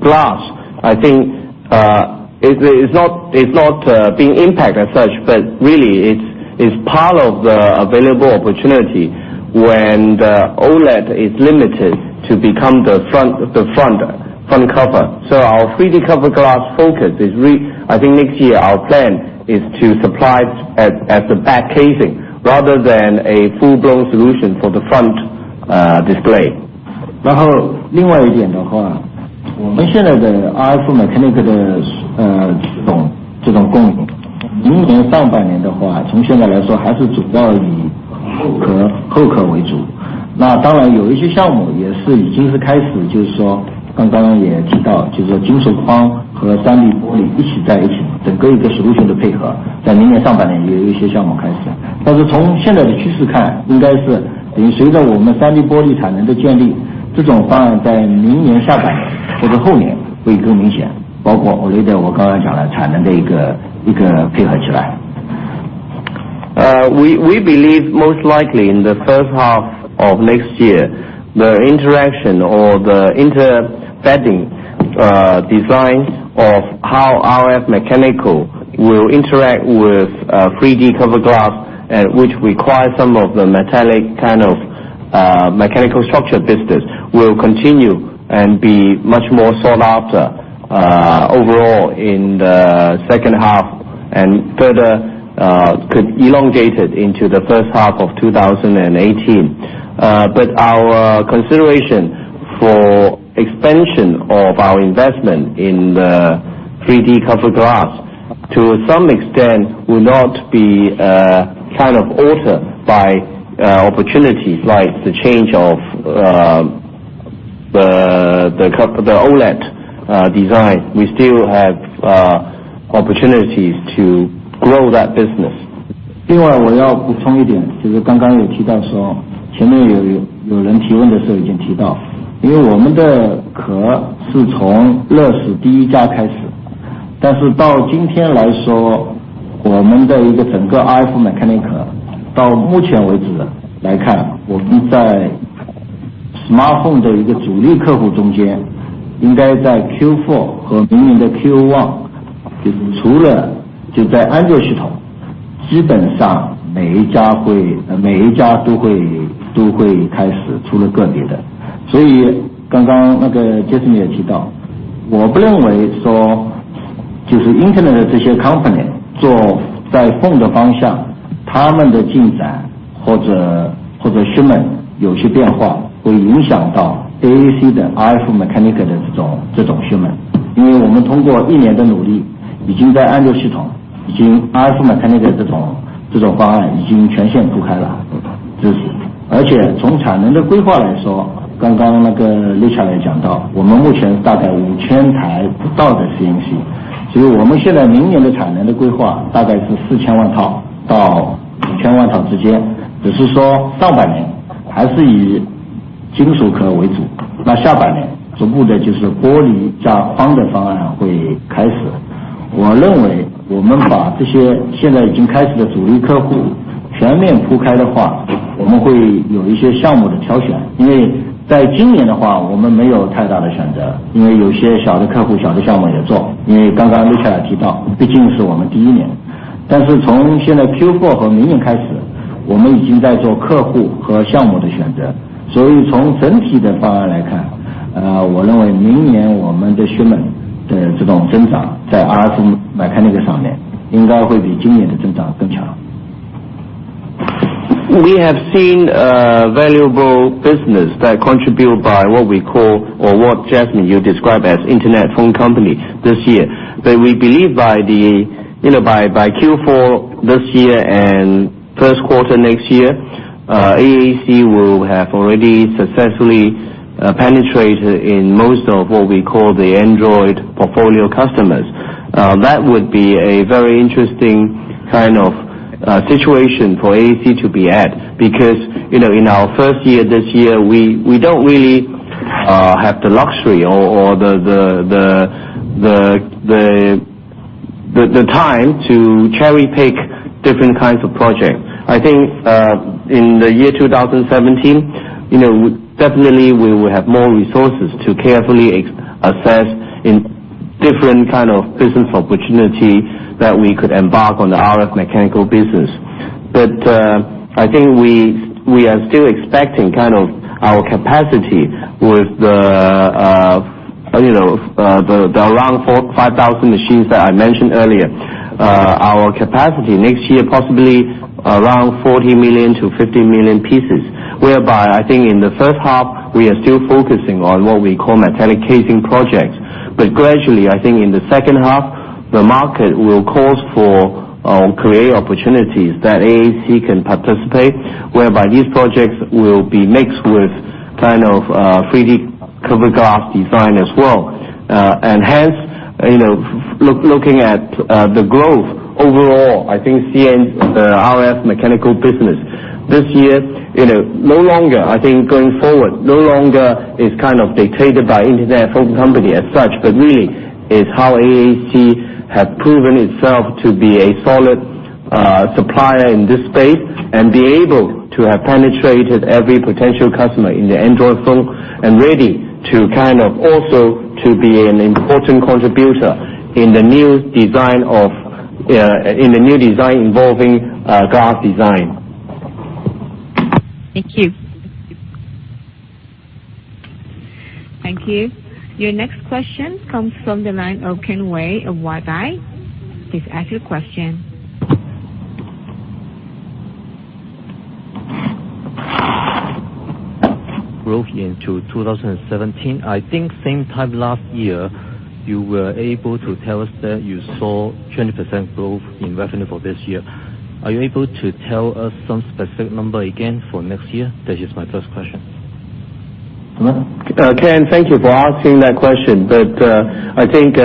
glass, I think it's not being impacted as such, but really it's part of the available opportunity when the OLED is limited to become the front cover. Our 3D cover glass focus is, I think next year our plan is to supply it as the back casing rather than a full-blown solution for the front display. We believe most likely in the first half of next year, the interaction or the inter-bedding designs of how RF mechanical will interact with 3D cover glass, which require some of the metallic kind of mechanical structure business, will continue and be much more sought after overall in the second half, and further could elongate it into the first half of 2018. Our consideration for expansion of our investment in the 3D cover glass, to some extent will not be altered by opportunities like the change of the OLED design. We still have opportunities to grow that business. We have seen a valuable business that contribute by what we call or what, Jasmine, you describe as internet phone company this year. That we believe by Q4 this year and first quarter next year, AAC will have already successfully penetrated in most of what we call the Android portfolio customers. That would be a very interesting kind of situation for AAC to be at. Because in our first year this year, we don't really have the luxury or the time to cherry-pick different kinds of projects. I think in the year 2017, definitely we will have more resources to carefully assess in different kind of business opportunity that we could embark on the RF mechanical business. But I think we are still expecting our capacity with the around 4,000, 5,000 machines that I mentioned earlier. Our capacity next year, possibly around 40 million pieces-50 million pieces. I think in the first half, we are still focusing on what we call metallic casing projects. Gradually, I think in the second half, the market will call for or create opportunities that AAC can participate, whereby these projects will be mixed with 3D cover glass design as well. Hence, looking at the growth overall, I think seeing the RF mechanical business this year, going forward, no longer is kind of dictated by internet phone company as such, but really is how AAC have proven itself to be a solid supplier in this space, and be able to have penetrated every potential customer in the Android phone and ready to kind of also to be an important contributor in the new design involving glass design. Thank you. Thank you. Your next question comes from the line of Ken Wei of Waive. Please ask your question. Growth into 2017. I think same time last year, you were able to tell us that you saw 20% growth in revenue for this year. Are you able to tell us some specific number again for next year? That is my first question. Ken, thank you for asking that question. I think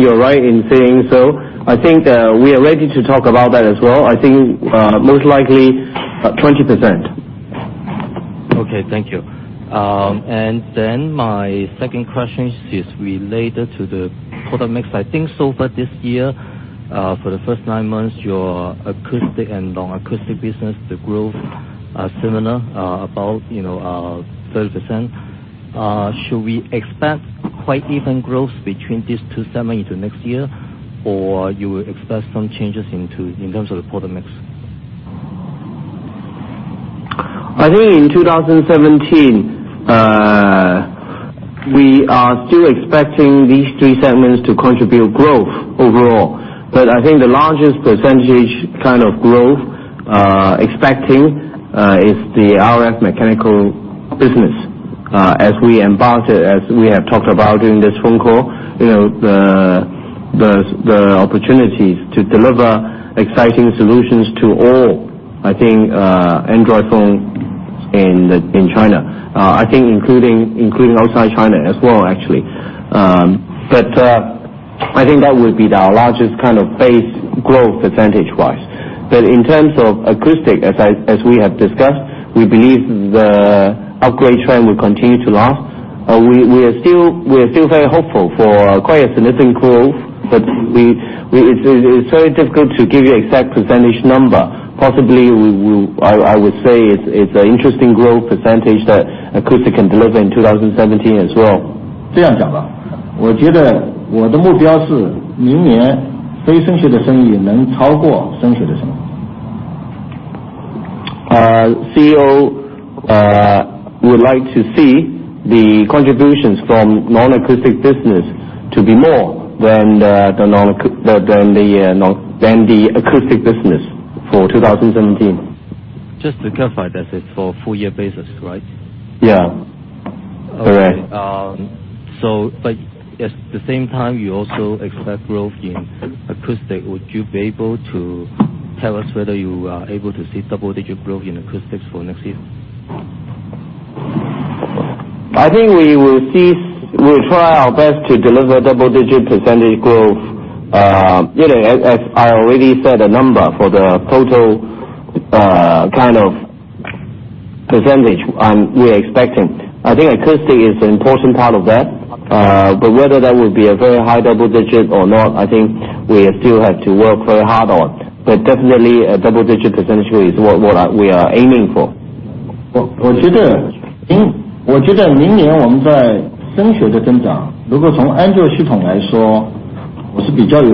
you're right in saying so. I think we are ready to talk about that as well. I think most likely 20%. Okay. Thank you. Then my second question is related to the product mix. I think so far this year, for the first nine months, your acoustic and non-acoustic business, the growth are similar, about 30%. Should we expect quite even growth between these two segments into next year, or you will expect some changes in terms of the product mix? I think in 2017, we are still expecting these three segments to contribute growth overall. I think the largest percentage growth expecting is the RF mechanical business as we have talked about during this phone call. The opportunities to deliver exciting solutions to all Android phones in China, including outside China as well, actually. I think that would be our largest base growth percentage-wise. In terms of acoustic, as we have discussed, we believe the upgrade trend will continue to last. We are still very hopeful for quite a significant growth, but it's very difficult to give you exact percentage number. Possibly, I would say it's an interesting growth percentage that acoustic can deliver in 2017 as well. CEO would like to see the contributions from non-acoustic business to be more than the acoustic business for 2017. Just to clarify, that is for full year basis, right? Yeah. Correct. Okay. At the same time, you also expect growth in acoustic. Would you be able to tell us whether you are able to see double-digit growth in acoustics for next year? I think we will try our best to deliver double-digit percentage growth. As I already said, a number for the total percentage we are expecting. I think acoustic is an important part of that. Whether that would be a very high double digit or not, I think we still have to work very hard on. Definitely, a double-digit percentage is what we are aiming for. We believe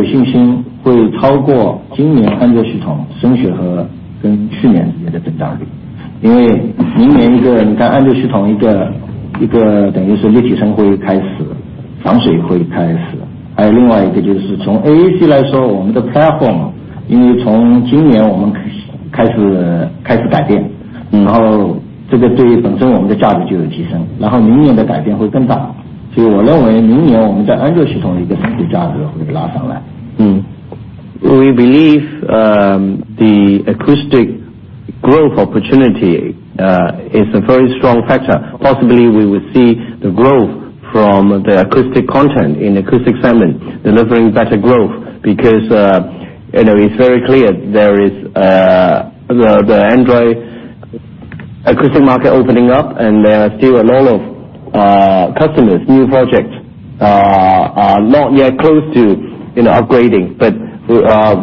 the acoustic growth opportunity is a very strong factor. Possibly, we will see the growth from the acoustic content in acoustic segment delivering better growth because it's very clear the Android acoustic market opening up and there are still a lot of customers, new projects are not yet close to upgrading, but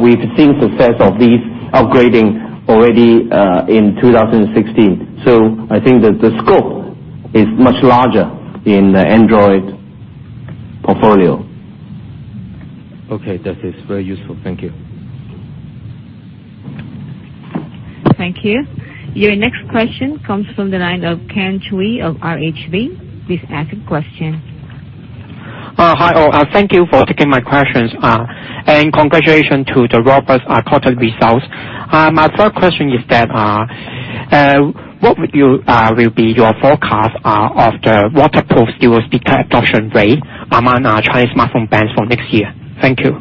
we've seen success of these upgrading already in 2016. I think that the scope is much larger in the Android portfolio. Okay. That is very useful. Thank you. Thank you. Your next question comes from the line of Ken Chui of RHB. Please ask your question. Hi all. Thank you for taking my questions. Congratulations to the robust quarter results. My first question is, what will be your forecast of the waterproof dual speaker adoption rate among Chinese smartphone brands for next year? Thank you.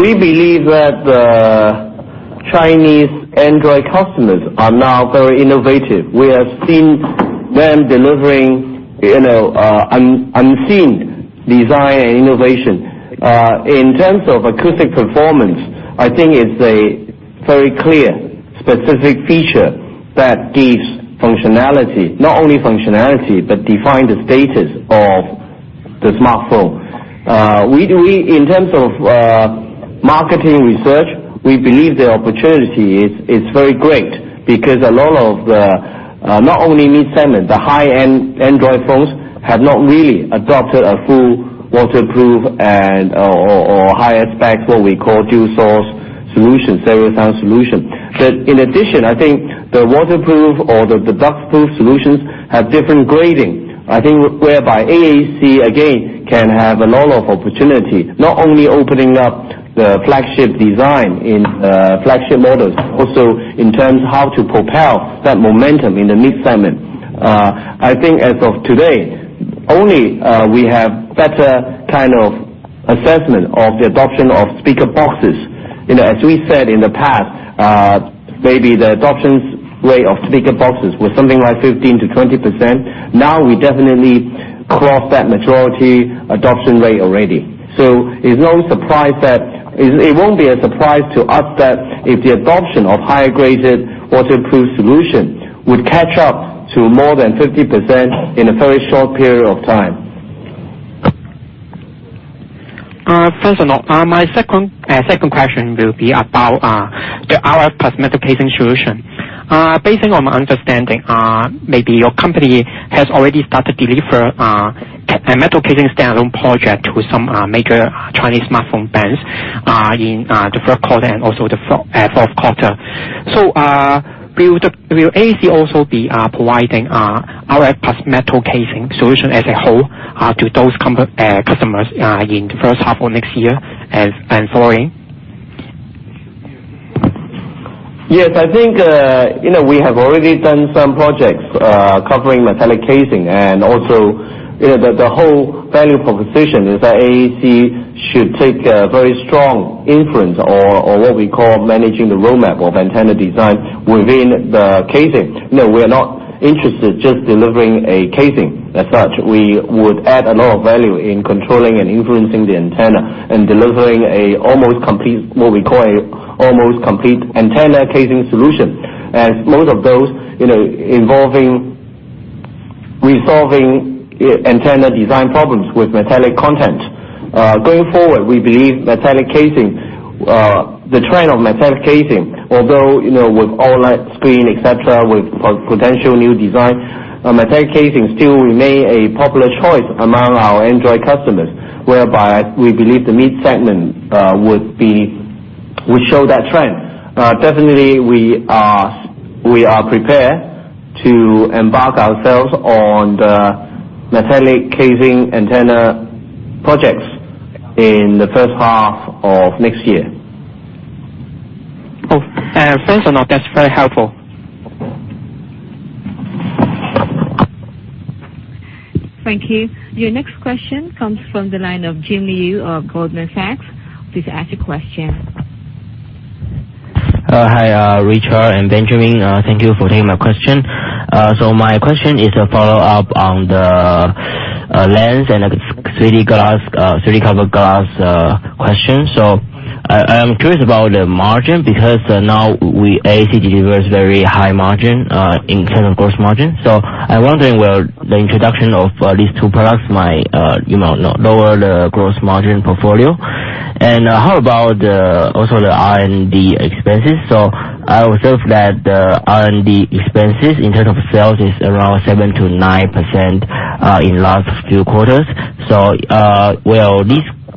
We believe that the Chinese Android customers are now very innovative. We have seen them delivering unseen design and innovation. In terms of acoustic performance, I think it's a very clear specific feature that gives functionality. Not only functionality, but define the status of the smartphone. In terms of marketing research, we believe the opportunity is very great because a lot of, not only mid-segment, the high-end Android phones have not really adopted a full waterproof and/or high aspect, what we call dual source solution, stereo sound solution. In addition, I think the waterproof or the dustproof solutions have different grading. I think whereby AAC, again, can have a lot of opportunity, not only opening up the flagship design in flagship models, also in terms of how to propel that momentum in the mid-segment. I think as of today, only we have better kind of assessment of the adoption of speaker boxes. As we said in the past, maybe the adoption rate of speaker boxes was something like 15%-20%. Now we definitely crossed that majority adoption rate already. It won't be a surprise to us that if the adoption of higher graded waterproof solution would catch up to more than 50% in a very short period of time. First of all, my second question will be about the RF plus metal casing solution. Based on my understanding, maybe your company has already started deliver a metal casing standalone project with some major Chinese smartphone brands in the third quarter and also the fourth quarter. Will AAC also be providing RF plus metal casing solution as a whole to those customers in the first half of next year and following? Yes, I think we have already done some projects covering metallic casing. The whole value proposition is that AAC should take a very strong influence on what we call managing the roadmap of antenna design within the casing. We are not interested in just delivering a casing as such. We would add a lot of value in controlling and influencing the antenna and delivering what we call an almost complete antenna casing solution. Most of those involving resolving antenna design problems with metallic content. Going forward, we believe the trend of metallic casing, although with all that screen, et cetera, with potential new design, metallic casing still remains a popular choice among our Android customers, whereby we believe the mid-segment would show that trend. Definitely, we are prepared to embark ourselves on the metallic casing antenna projects in the first half of next year. Cool. Thanks a lot, that's very helpful. Thank you. Your next question comes from the line of Jim Liu of Goldman Sachs. Please ask your question. Hi, Richard and Benjamin. Thank you for taking my question. My question is a follow-up on the lens and the 3D cover glass question. I am curious about the margin, because now AAC delivers very high margin in terms of gross margin. I am wondering, will the introduction of these two products lower the gross margin portfolio? And how about also the R&D expenses? I observe that the R&D expenses in terms of sales is around 7%-9% in the last few quarters.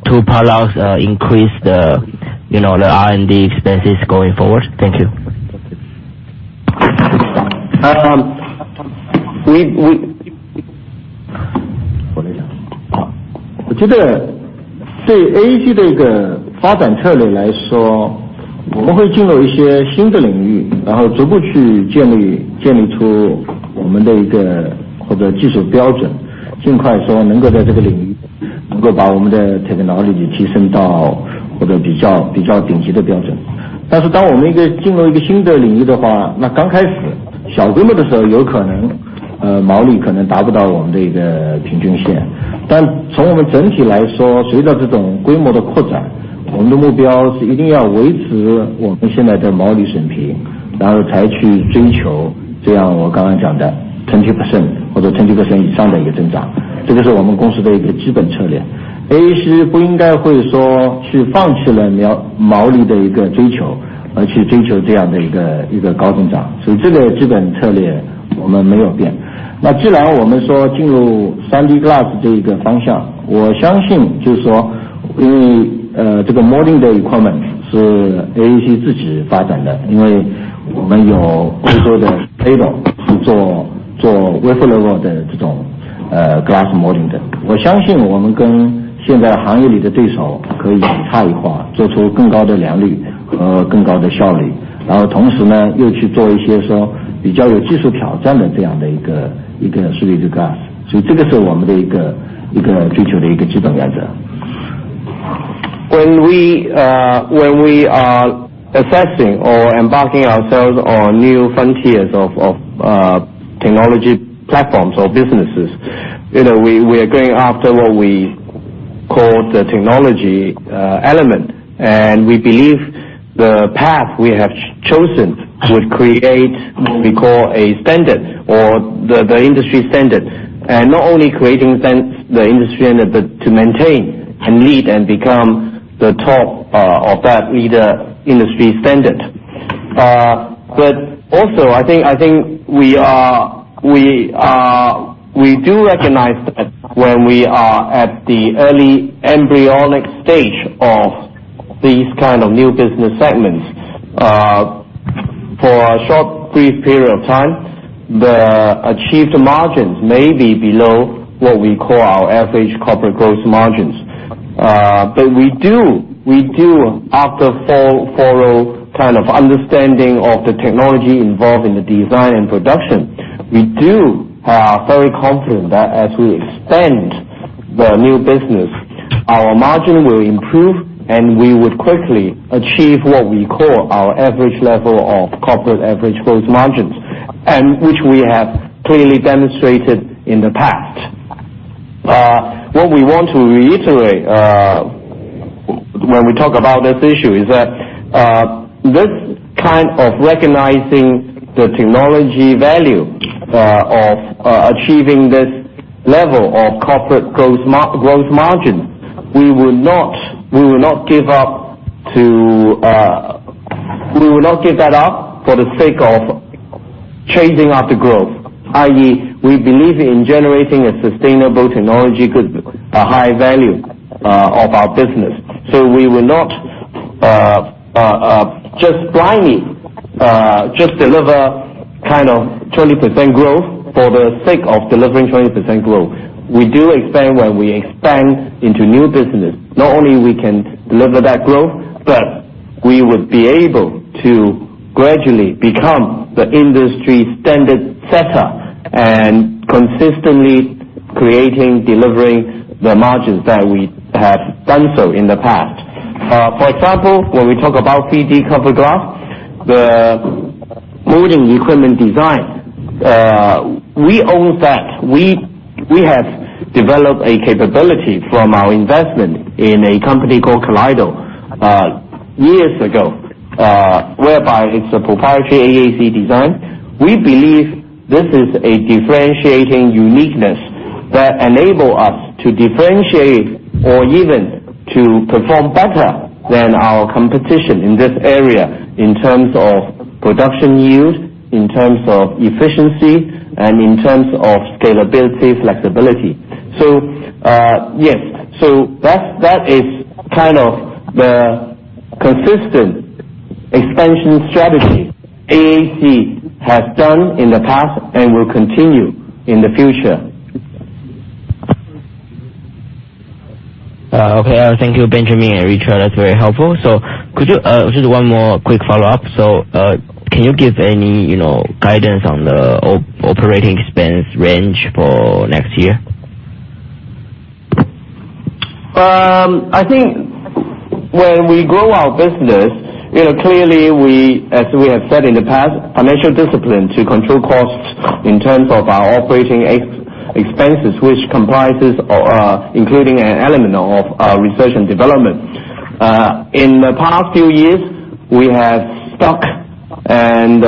Will these two products increase the R&D expenses going forward? Thank you. When we are assessing or embarking ourselves on new frontiers of technology platforms or businesses, we are going after what we call the technology element. We believe the path we have chosen would create what we call a standard or the industry standard. Not only creating the industry standard, but to maintain and lead and become the top of that leader industry standard. Also, I think we do recognize that when we are at the early embryonic stage of these kind of new business segments, for a short, brief period of time, the achieved margins may be below what we call our average corporate gross margins. But we do, after thorough understanding of the technology involved in the design and production, we do are very confident that as we expand the new business, our margin will improve, and we would quickly achieve what we call our average level of corporate average gross margins, and which we have clearly demonstrated in the past. What we want to reiterate when we talk about this issue is that this kind of recognizing the technology value of achieving this level of corporate gross margin, we will not give that up for the sake of chasing after growth, i.e., we believe in generating a sustainable technology good, a high value of our business. We will not just blindly deliver 20% growth for the sake of delivering 20% growth. We do expect when we expand into new business, not only we can deliver that growth, but we would be able to gradually become the industry standard setter and consistently creating, delivering the margins that we have done so in the past. For example, when we talk about 3D cover glass, the molding equipment design, we own that. We have developed a capability from our investment in a company called Kaleido years ago, whereby it's a proprietary AAC design. We believe this is a differentiating uniqueness that enable us to differentiate or even to perform better than our competition in this area in terms of production yield, in terms of efficiency, and in terms of scalability, flexibility. Yes. That is the consistent expansion strategy AAC has done in the past and will continue in the future. Okay. Thank you, Benjamin and Richard. That's very helpful. Just one more quick follow-up. Can you give any guidance on the operating expense range for next year? I think when we grow our business, clearly as we have said in the past, financial discipline to control costs in terms of our operating expenses, which comprises including an element of research and development. In the past few years, we have stuck and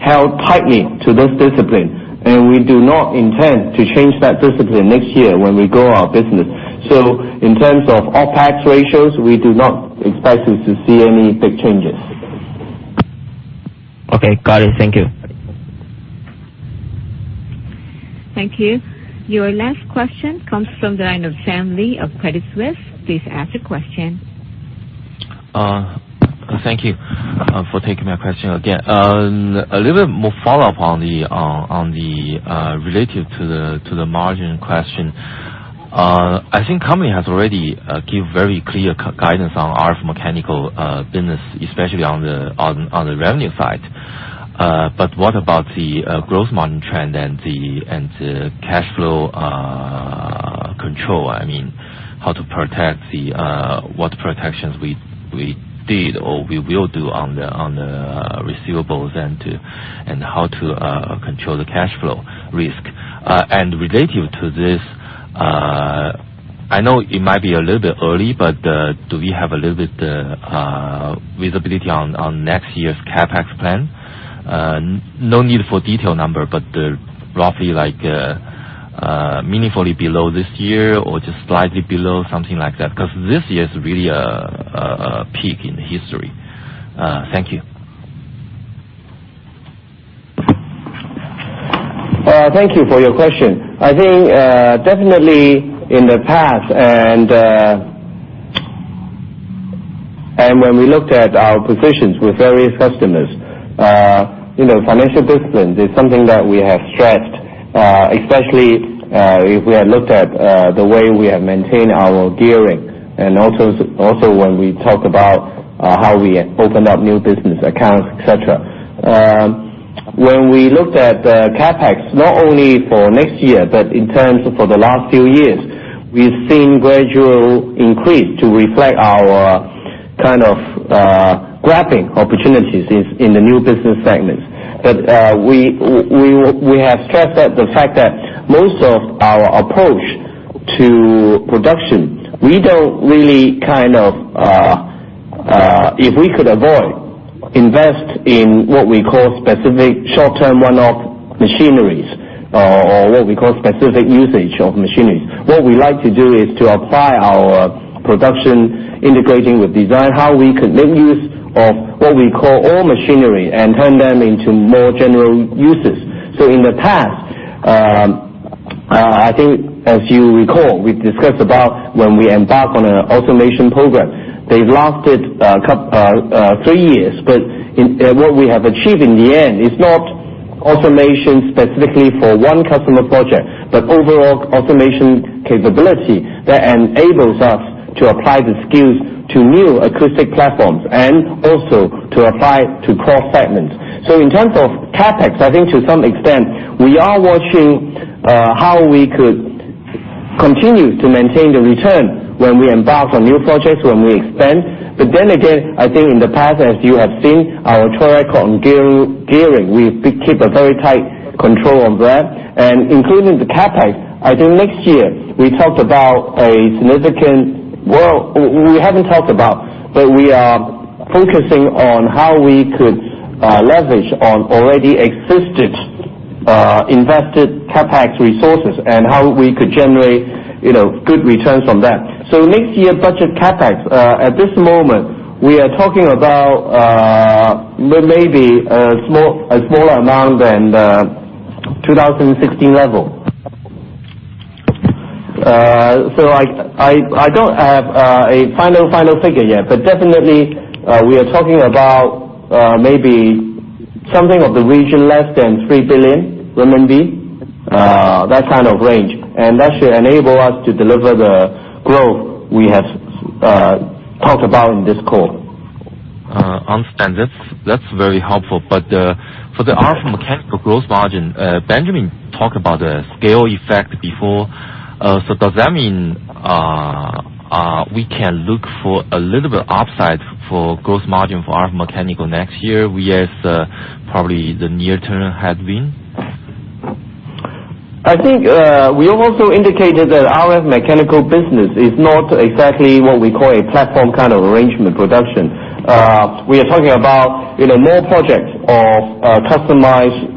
held tightly to this discipline, and we do not intend to change that discipline next year when we grow our business. In terms of OPEX ratios, we do not expect you to see any big changes. Okay. Got it. Thank you. Thank you. Your last question comes from the line of Sam Li of Credit Suisse. Please ask your question. Thank you for taking my question again. A little bit more follow-up on the relative to the margin question. I think company has already give very clear guidance on RF mechanical business, especially on the revenue side. What about the growth margin trend and the cash flow control? How to protect What protections we did or we will do on the receivables and how to control the cash flow risk. Relative to this, I know it might be a little bit early, but do we have a little bit visibility on next year's CapEx plan? No need for detail number, but roughly like meaningfully below this year or just slightly below, something like that. This year is really a peak in history. Thank you. Thank you for your question. I think definitely in the past and when we looked at our positions with various customers, financial discipline is something that we have stressed, especially if we have looked at the way we have maintained our gearing and also when we talk about how we open up new business accounts, et cetera. When we looked at the CapEx, not only for next year, but in terms of for the last few years, we've seen gradual increase to reflect our grabbing opportunities in the new business segments. We have stressed the fact that most of our approach to production, if we could avoid invest in what we call specific short-term one-off machineries or what we call specific usage of machineries, what we like to do is to apply our production integrating with design, how we could make use of what we call all machinery and turn them into more general uses. In the past, I think as you recall, we discussed about when we embark on an automation program. They've lasted three years, but what we have achieved in the end is not automation specifically for one customer project, but overall automation capability that enables us to apply the skills to new acoustic platforms and also to apply to core segments. In terms of CapEx, I think to some extent, we are watching how we could continue to maintain the return when we embark on new projects when we expand. Then again, I think in the past, as you have seen, our track on gearing, we keep a very tight control on that. Including the CapEx, I think next year. We haven't talked about, but we are focusing on how we could leverage on already existed invested CapEx resources and how we could generate good returns from that. Next year budget CapEx, at this moment, we are talking about maybe a smaller amount than the 2016 level. I don't have a final figure yet, but definitely we are talking about maybe something of the region less than 3 billion RMB, that kind of range. That should enable us to deliver the growth we have talked about in this call. Understand. That's very helpful. For the RF mechanical gross margin, Benjamin talked about the scale effect before. Does that mean we can look for a little bit upside for gross margin for RF mechanical next year, whereas probably the near term had been? I think we have also indicated that RF mechanical business is not exactly what we call a platform kind of arrangement production. We are talking about more projects of customized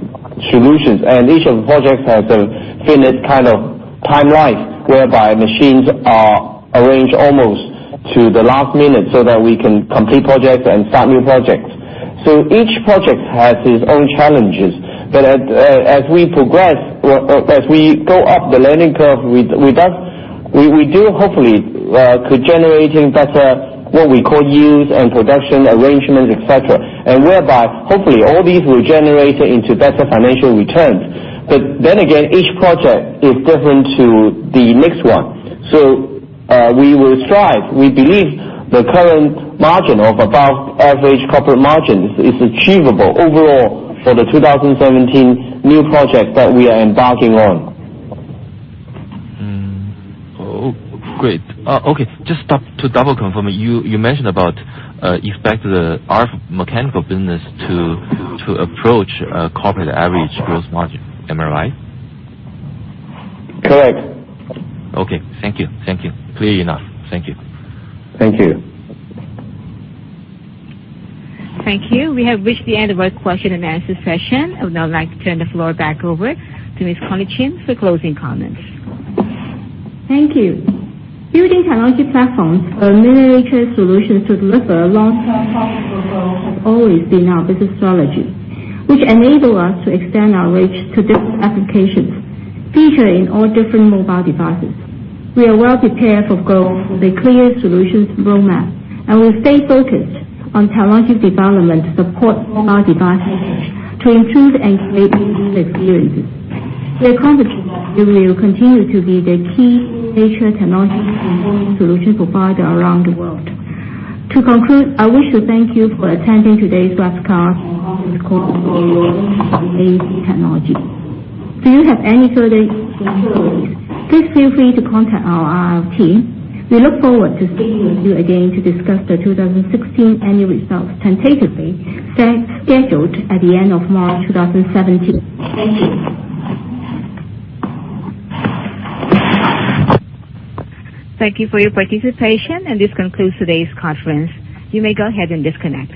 solutions, and each of the projects has a finite kind of timeline, whereby machines are arranged almost to the last minute so that we can complete projects and start new projects. Each project has its own challenges. As we progress, as we go up the learning curve, we do hopefully could generating better, what we call use and production arrangements, et cetera. Whereby hopefully all these will generate into better financial returns. Then again, each project is different to the next one. We will strive. We believe the current margin of above average corporate margins is achievable overall for the 2017 new project that we are embarking on. Great. Okay, just to double-confirm, you mentioned about expect the RF mechanical business to approach corporate average gross margin. Am I right? Correct. Okay. Thank you. Clear enough. Thank you. Thank you. Thank you. We have reached the end of our question and answer session. I would now like to turn the floor back over to Miss Connie Chin for closing comments. Thank you. Building technology platforms or innovative solutions to deliver long-term profitable growth has always been our business strategy, which enable us to extend our reach to different applications, featuring all different mobile devices. We are well-prepared for growth with a clear solutions roadmap, and we stay focused on technology development to support mobile devices to improve and create new user experiences. We are confident that we will continue to be the key future technology enabling solution provider around the world. To conclude, I wish to thank you for attending today's webcast conference call and for your interest in AAC Technologies. If you have any further inquiries, please feel free to contact our IR team. We look forward to speaking with you again to discuss the 2016 annual results, tentatively scheduled at the end of March 2017. Thank you. Thank you for your participation, and this concludes today's conference. You may go ahead and disconnect.